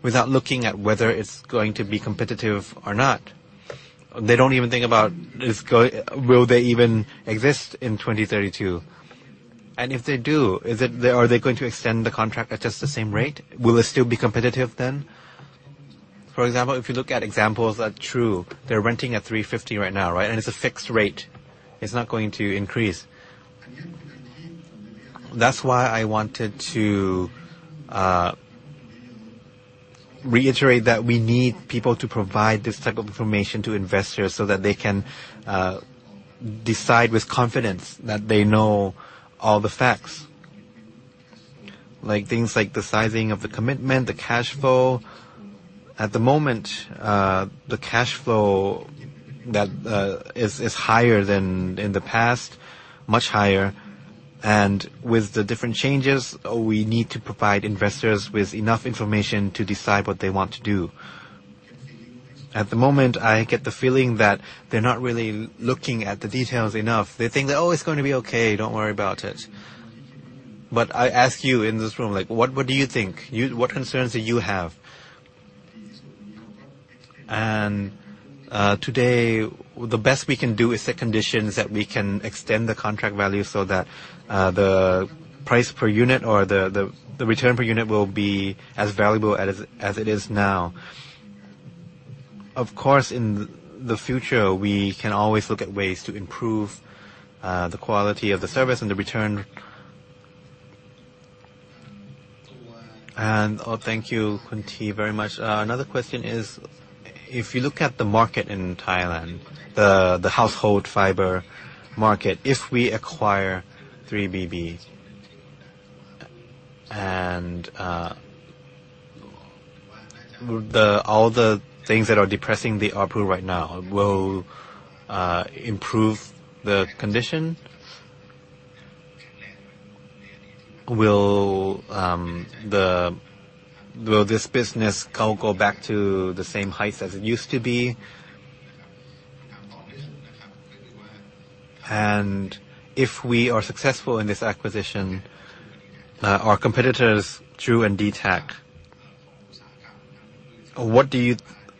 without looking at whether it's going to be competitive or not. They don't even think about. Will they even exist in 2032? And if they do, are they going to extend the contract at just the same rate? Will it still be competitive then? For example, if you look at examples at True, they're renting at 350 right now, right? And it's a fixed rate. It's not going to increase. That's why I wanted to reiterate that we need people to provide this type of information to investors so that they can decide with confidence that they know all the facts. Like, things like the sizing of the commitment, the cash flow. At the moment, the cash flow that is higher than in the past, much higher. With the different changes, we need to provide investors with enough information to decide what they want to do. At the moment, I get the feeling that they're not really looking at the details enough. They think that, "Oh, it's going to be okay. Don't worry about it." I ask you in this room, like, what do you think? What concerns do you have? Today, the best we can do is set conditions that we can extend the contract value so that the price per unit or the return per unit will be as valuable as it is now. Of course, in the future, we can always look at ways to improve the quality of the service and the return. Oh, thank you, Khun Tee, very much. Another question is, if you look at the market in Thailand, the household fiber market, if we acquire 3BB and all the things that are depressing the ARPU right now will improve the condition? Will this business go back to the same heights as it used to be? If we are successful in this acquisition, our competitors, True and dtac, what do you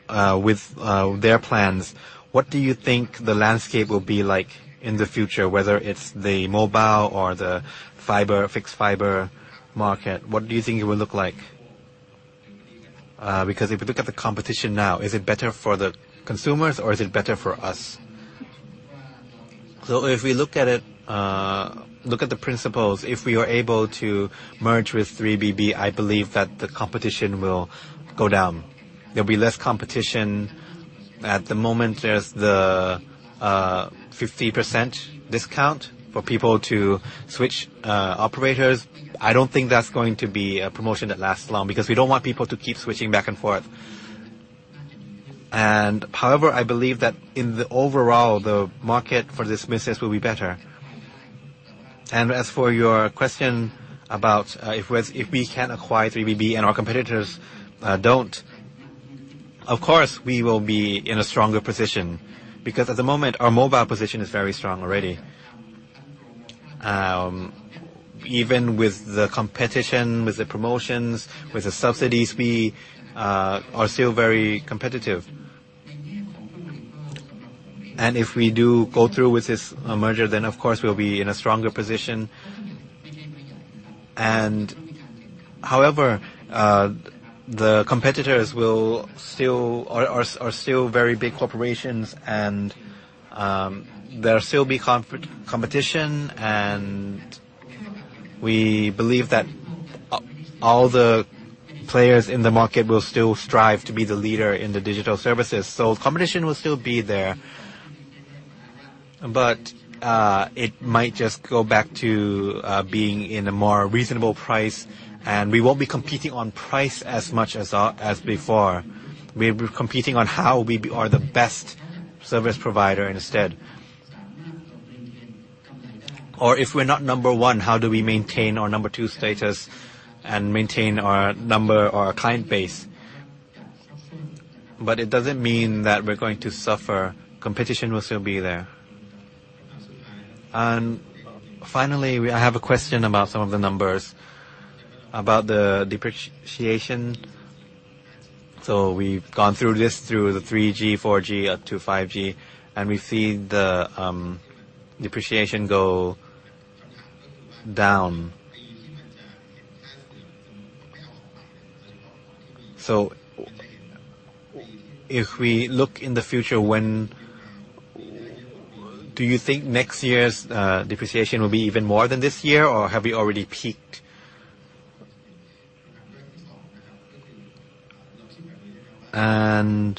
with their plans, what do you think the landscape will be like in the future, whether it's the mobile or the fiber, fixed fiber market? What do you think it would look like? Because if you look at the competition now, is it better for the consumers or is it better for us? If we look at it, look at the principles, if we are able to merge with 3BB, I believe that the competition will go down. There'll be less competition. At the moment, there's the 50% discount for people to switch operators. I don't think that's going to be a promotion that lasts long because we don't want people to keep switching back and forth. However, I believe that in the overall, the market for this business will be better. As for your question about if we can acquire 3BB and our competitors don't, of course, we will be in a stronger position because at the moment, our mobile position is very strong already. Even with the competition, with the promotions, with the subsidies, we are still very competitive. If we do go through with this merger, then of course, we'll be in a stronger position. However, the competitors are still very big corporations and there'll still be competition and we believe that all the players in the market will still strive to be the leader in the digital services. Competition will still be there, but it might just go back to being in a more reasonable price, and we won't be competing on price as much as as before. We'll be competing on how we are the best service provider instead. Or if we're not number one, how do we maintain our number two status and maintain our number or our client base? But it doesn't mean that we're going to suffer. Competition will still be there. Finally, I have a question about some of the numbers about the depreciation. We've gone through the 3G, 4G, up to 5G, and we see the depreciation go down. If we look in the future, do you think next year's depreciation will be even more than this year or have you already peaked? How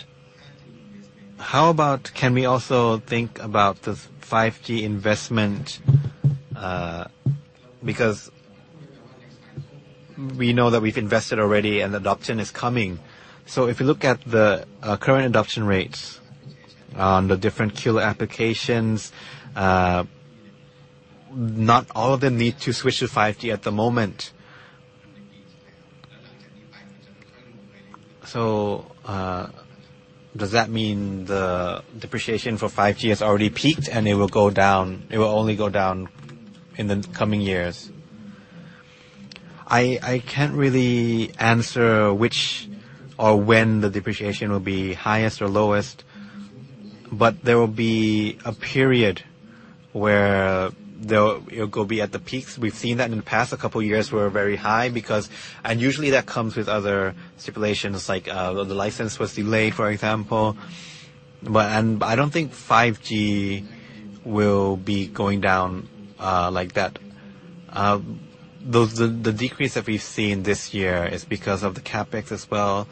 about can we also think about the 5G investment? Because we know that we've invested already and adoption is coming. If you look at the current adoption rates on the different killer applications, not all of them need to switch to 5G at the moment. Does that mean the depreciation for 5G has already peaked and it will go down. It will only go down in the coming years? I can't really answer which or when the depreciation will be highest or lowest, but there will be a period where it'll go be at the peaks. We've seen that in the past couple years were very high because. Usually that comes with other stipulations like the license was delayed, for example. And I don't think 5G will be going down like that. The decrease that we've seen this year is because of the CapEx as well.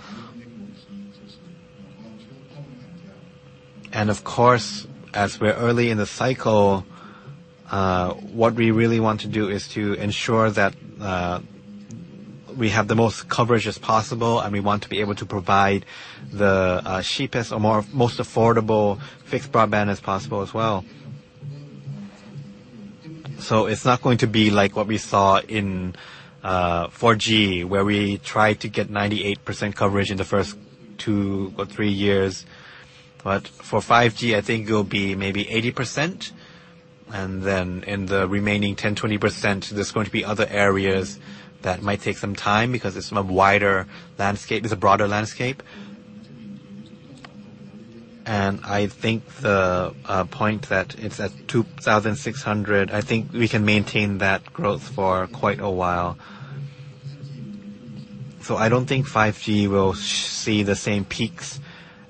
Of course, as we're early in the cycle, what we really want to do is to ensure that we have the most coverage as possible, and we want to be able to provide the cheapest or most affordable Fixed Broadband as possible as well. It's not going to be like what we saw in 4G, where we tried to get 98% coverage in the first two or three years. For 5G, I think it'll be maybe 80%, and then in the remaining 10%, 20%, there's going to be other areas that might take some time because it's more wider landscape. It's a broader landscape. I think the point that it's at 2,600, I think we can maintain that growth for quite a while. I don't think 5G will see the same peaks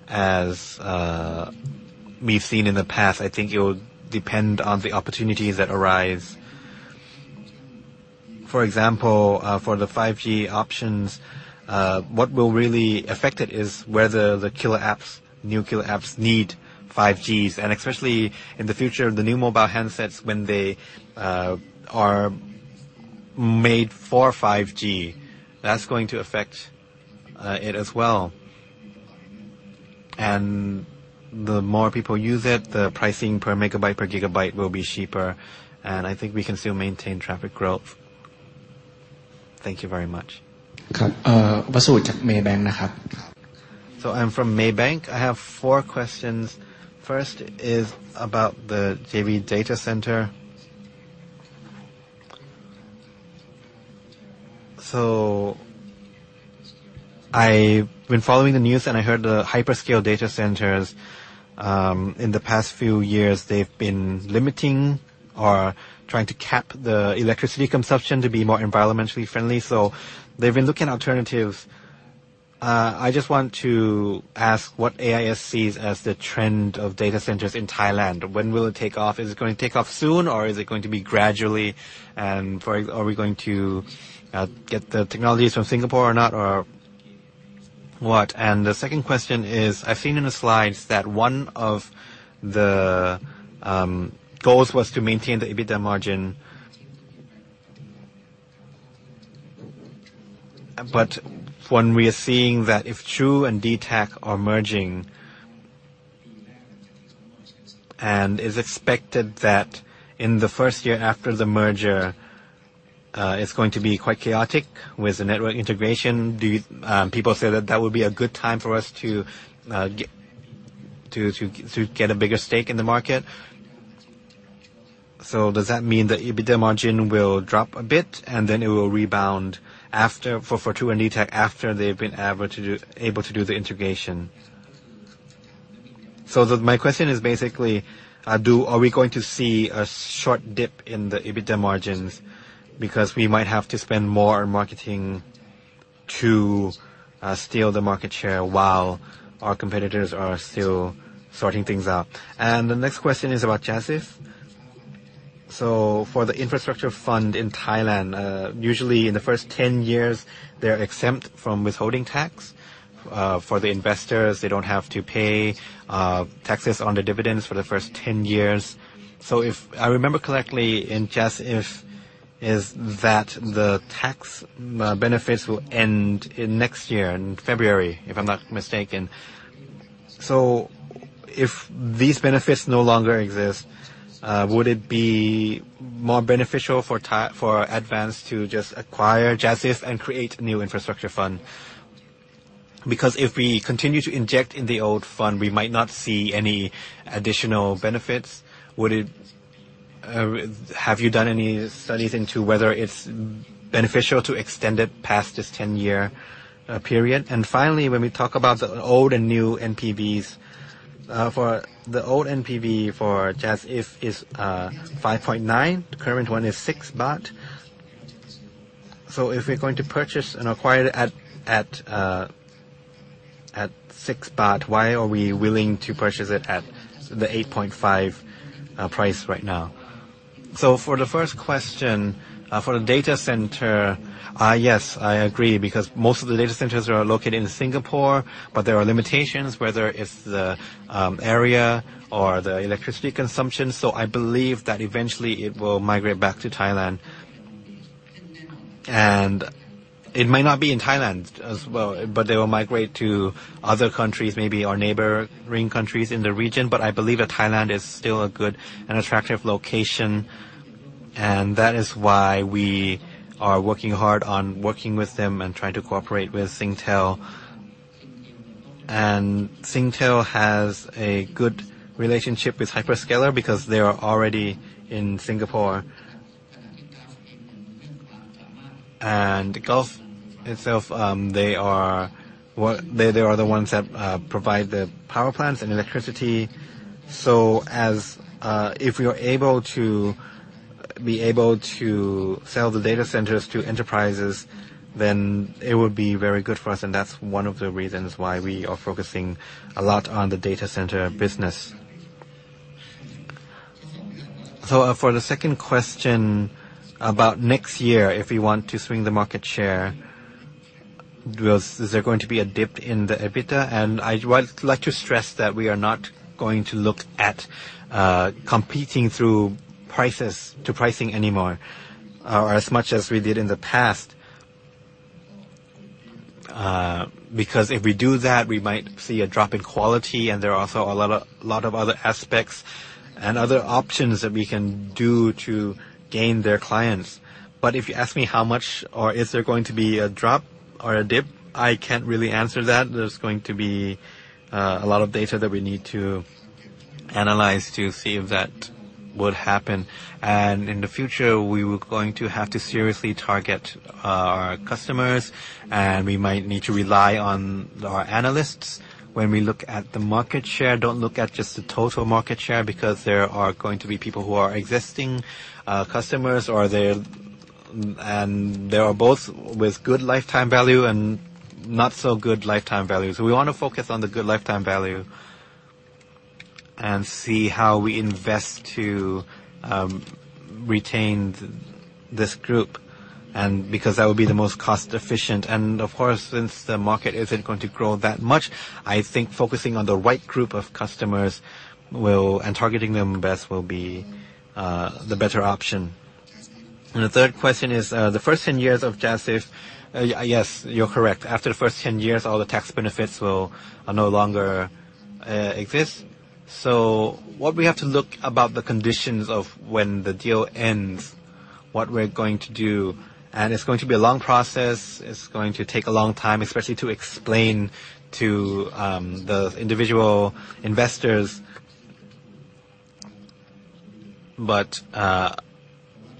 as we've seen in the past. I think it will depend on the opportunities that arise. For example, for the 5G options, what will really affect it is whether the killer apps, new killer apps need 5Gs, and especially in the future, the new mobile handsets, when they are made for 5G, that's going to affect it as well. The more people use it, the pricing per megabyte, per gigabyte will be cheaper, and I think we can still maintain traffic growth. Thank you very much. I'm from Maybank. I have four questions. First is about the JV data center. I've been following the news, and I heard the hyperscale data centers in the past few years, they've been limiting or trying to cap the electricity consumption to be more environmentally friendly, so they've been looking at alternatives. I just want to ask what AIS sees as the trend of data centers in Thailand. When will it take off? Is it going to take off soon, or is it going to be gradually? Are we going to get the technologies from Singapore or not, or what? And the second question is, I've seen in the slides that one of the goals was to maintain the EBITDA margin. When we are seeing that if True and dtac are merging, and it's expected that in the first year after the merger, it's going to be quite chaotic with the network integration, people say that that would be a good time for us to get a bigger stake in the market. Does that mean the EBITDA margin will drop a bit, and then it will rebound after for True and dtac after they've been able to do the integration? My question is basically, are we going to see a short dip in the EBITDA margins because we might have to spend more on marketing to steal the market share while our competitors are still sorting things out? The next question is about JASIF. For the infrastructure fund in Thailand, usually in the first 10 years, they're exempt from withholding tax. For the investors, they don't have to pay taxes on the dividends for the first 10 years. If I remember correctly in JASIF is that the tax benefits will end next year, in February, if I'm not mistaken. If these benefits no longer exist, would it be more beneficial for Advanced to just acquire JASIF and create a new infrastructure fund? Because if we continue to inject in the old fund, we might not see any additional benefits. Have you done any studies into whether it's beneficial to extend it past this 10-year period? Finally, when we talk about the old and new NPVs, for the old NPV for JASIF is 5.9. The current one is 6 baht. If we're going to purchase and acquire it at 6 baht, why are we willing to purchase it at the 8.5 THB price right now? For the first question, for the data center, yes, I agree, because most of the data centers are located in Singapore, but there are limitations, whether it's the area or the electricity consumption. I believe that eventually it will migrate back to Thailand. It might not be in Thailand as well, but they will migrate to other countries, maybe our neighboring countries in the region. I believe that Thailand is still a good and attractive location. That is why we are working hard on working with them and trying to cooperate with Singtel. Singtel has a good relationship with Hyperscaler because they are already in Singapore. Gulf itself, they are the ones that provide the power plants and electricity. If we are able to sell the data centers to enterprises, then it would be very good for us, and that's one of the reasons why we are focusing a lot on the data center business. For the second question about next year, if we want to swing the market share, is there going to be a dip in the EBITDA? I would like to stress that we are not going to look at competing through prices to pricing anymore or as much as we did in the past. Because if we do that, we might see a drop in quality, and there are also a lot of other aspects and other options that we can do to gain their clients. If you ask me how much or is there going to be a drop or a dip, I can't really answer that. There's going to be a lot of data that we need to analyze to see if that would happen. In the future, we were going to have to seriously target our customers, and we might need to rely on our analysts when we look at the market share. Don't look at just the total market share because there are going to be people who are existing customers, and they are both with good lifetime value and not so good lifetime value. We wanna focus on the good lifetime value and see how we invest to retain this group and because that would be the most cost-efficient. Of course, since the market isn't going to grow that much, I think focusing on the right group of customers and targeting them best will be the better option. The third question is the first 10 years of JASIF. Yes, you're correct. After the first 10 years, all the tax benefits will no longer exist. What we have to look at the conditions of when the deal ends, what we're going to do, and it's going to be a long process, it's going to take a long time, especially to explain to the individual investors.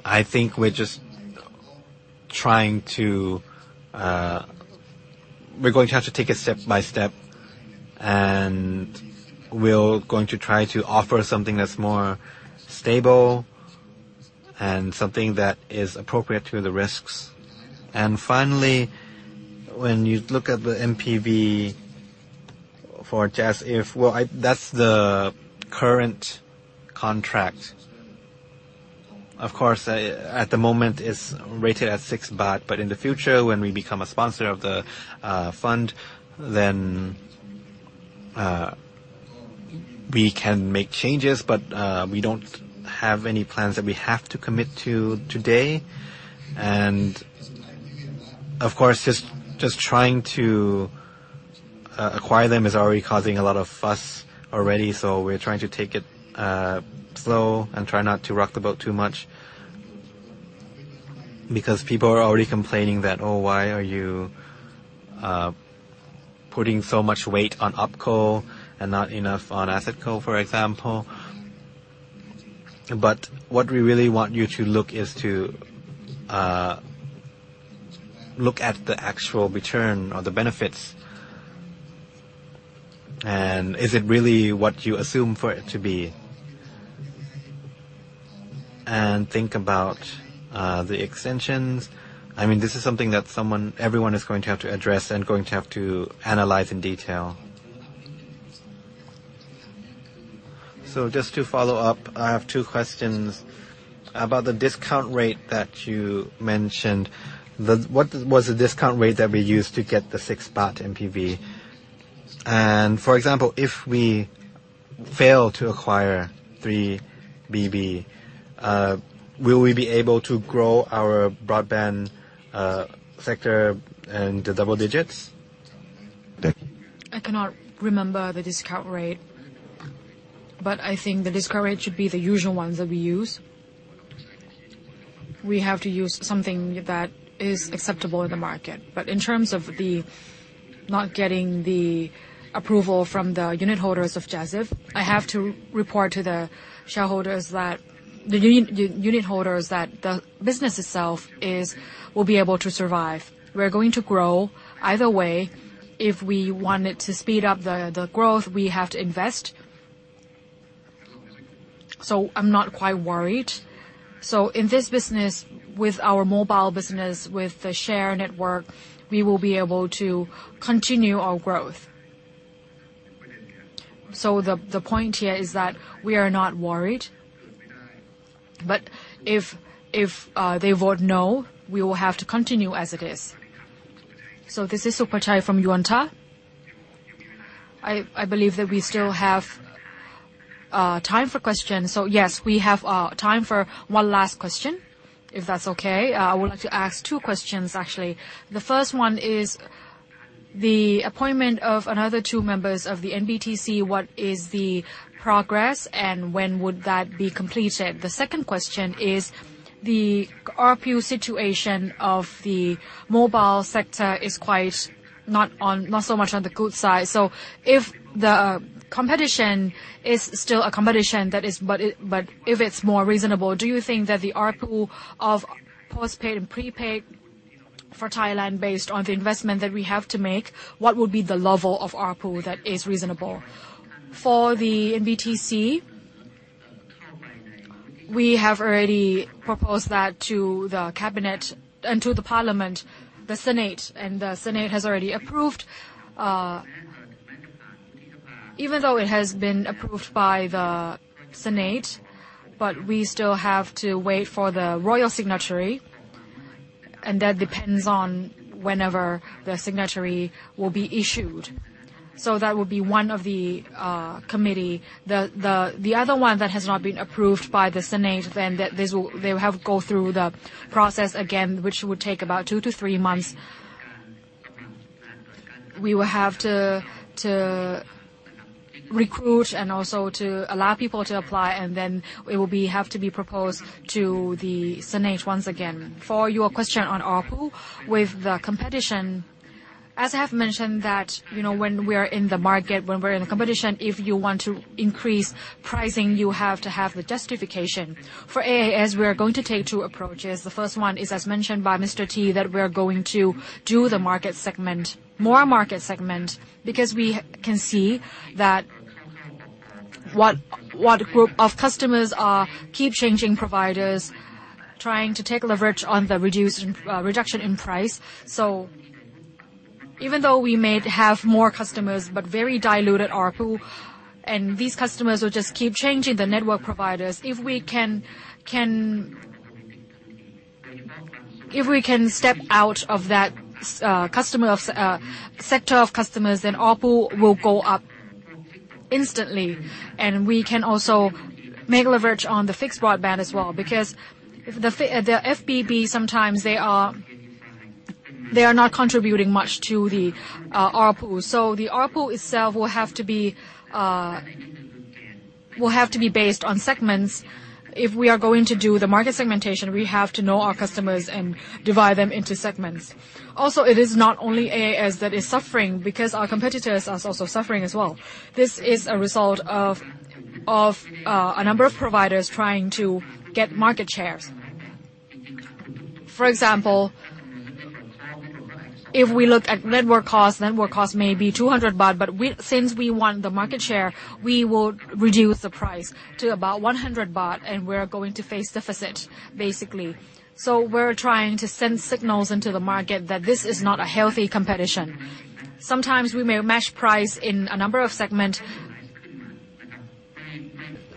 I think we're just trying to. We're going to have to take it step by step, and we're going to try to offer something that's more stable and something that is appropriate to the risks. Finally, when you look at the NPV for JASIF, that's the current contract. Of course, at the moment it's rated at 6 baht, but in the future, when we become a sponsor of the fund, then we can make changes, but we don't have any plans that we have to commit to today. Of course, just trying to acquire them is already causing a lot of fuss already, so we're trying to take it slow and try not to rock the boat too much. Because people are already complaining that, "Oh, why are you putting so much weight on OpCo and not enough on AssetCo," for example. What we really want you to look at is the actual return or the benefits. Is it really what you assume for it to be? Think about the extensions. I mean, this is something that someone, everyone is going to have to address and going to have to analyze in detail. Just to follow up, I have two questions about the discount rate that you mentioned. What was the discount rate that we used to get the 6 baht NPV? For example, if we fail to acquire 3BB, will we be able to grow our broadband sector in the double digits? Thank you. I cannot remember the discount rate, but I think the discount rate should be the usual ones that we use. We have to use something that is acceptable in the market. In terms of not getting the approval from the unit holders of JASIF, I have to report to the shareholders that the business itself will be able to survive. We're going to grow either way. If we want it to speed up the growth, we have to invest. I'm not quite worried. In this business, with our mobile business, with the shared network, we will be able to continue our growth. The point here is that we are not worried. If they vote no, we will have to continue as it is. This is Supachai from Yuanta. I believe that we still have time for questions. Yes, we have time for one last question, if that's okay. I would like to ask two questions, actually. The first one is the appointment of another two members of the NBTC, what is the progress, and when would that be completed? The second question is the ARPU situation of the mobile sector is quite not so much on the good side. If the competition is still a competition, but if it's more reasonable, do you think that the RPU of postpaid and prepaid for Thailand based on the investment that we have to make, what would be the level of ARPU that is reasonable? For the NBTC, we have already proposed that to the Cabinet and to the Parliament, the Senate, and the Senate has already approved. Even though it has been approved by the Senate, we still have to wait for the royal signature, and that depends on whenever the signature will be issued. That would be one of the committee. The other one that has not been approved by the Senate, then they have to go through the process again, which would take about 2-3 months. We will have to recruit and also to allow people to apply, and then it will have to be proposed to the Senate once again. For your question on ARPU with the competition, as I have mentioned that, you know, when we're in the market, when we're in the competition, if you want to increase pricing, you have to have the justification. For AIS, we are going to take two approaches. The first one is, as mentioned by Mr. Tee, that we are going to do the market segment, more market segment, because we can see that what group of customers are keep changing providers, trying to take leverage on the reduction in price. Even though we may have more customers, but very diluted ARPU, and these customers will just keep changing the network providers. If we can step out of that sector of customers, then ARPU will go up instantly, and we can also make leverage on the Fixed Broadband as well because the FBB, sometimes they are not contributing much to the ARPU. The ARPU itself will have to be based on segments. If we are going to do the market segmentation, we have to know our customers and divide them into segments. Also, it is not only AIS that is suffering because our competitors are also suffering as well. This is a result of a number of providers trying to get market shares. For example, if we look at network cost, network cost may be 200 baht, but since we want the market share, we will reduce the price to about 100 baht, and we're going to face deficit, basically. We're trying to send signals into the market that this is not a healthy competition. Sometimes we may match price in a number of segment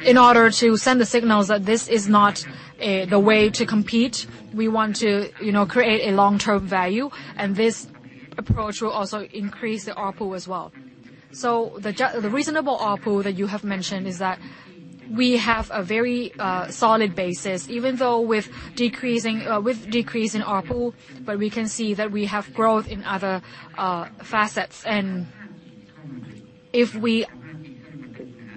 in order to send the signals that this is not the way to compete. We want to, you know, create a long-term value, and this approach will also increase the ARPU as well. The reasonable ARPU that you have mentioned is that we have a very solid basis, even though with decrease in ARPU, but we can see that we have growth in other facets.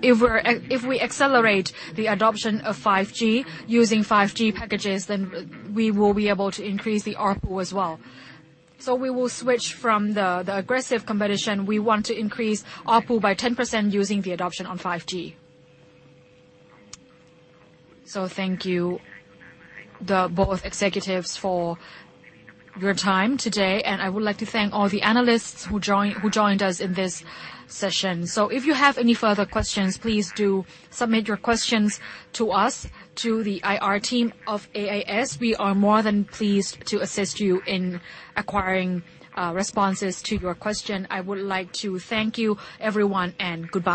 If we accelerate the adoption of 5G using 5G packages, then we will be able to increase the ARPU as well. We will switch from the aggressive competition. We want to increase ARPU by 10% using the adoption of 5G. Thank you, both executives for your time today, and I would like to thank all the analysts who joined us in this session. If you have any further questions, please do submit your questions to us, to the IR team of AIS. We are more than pleased to assist you in acquiring responses to your question. I would like to thank you, everyone, and goodbye.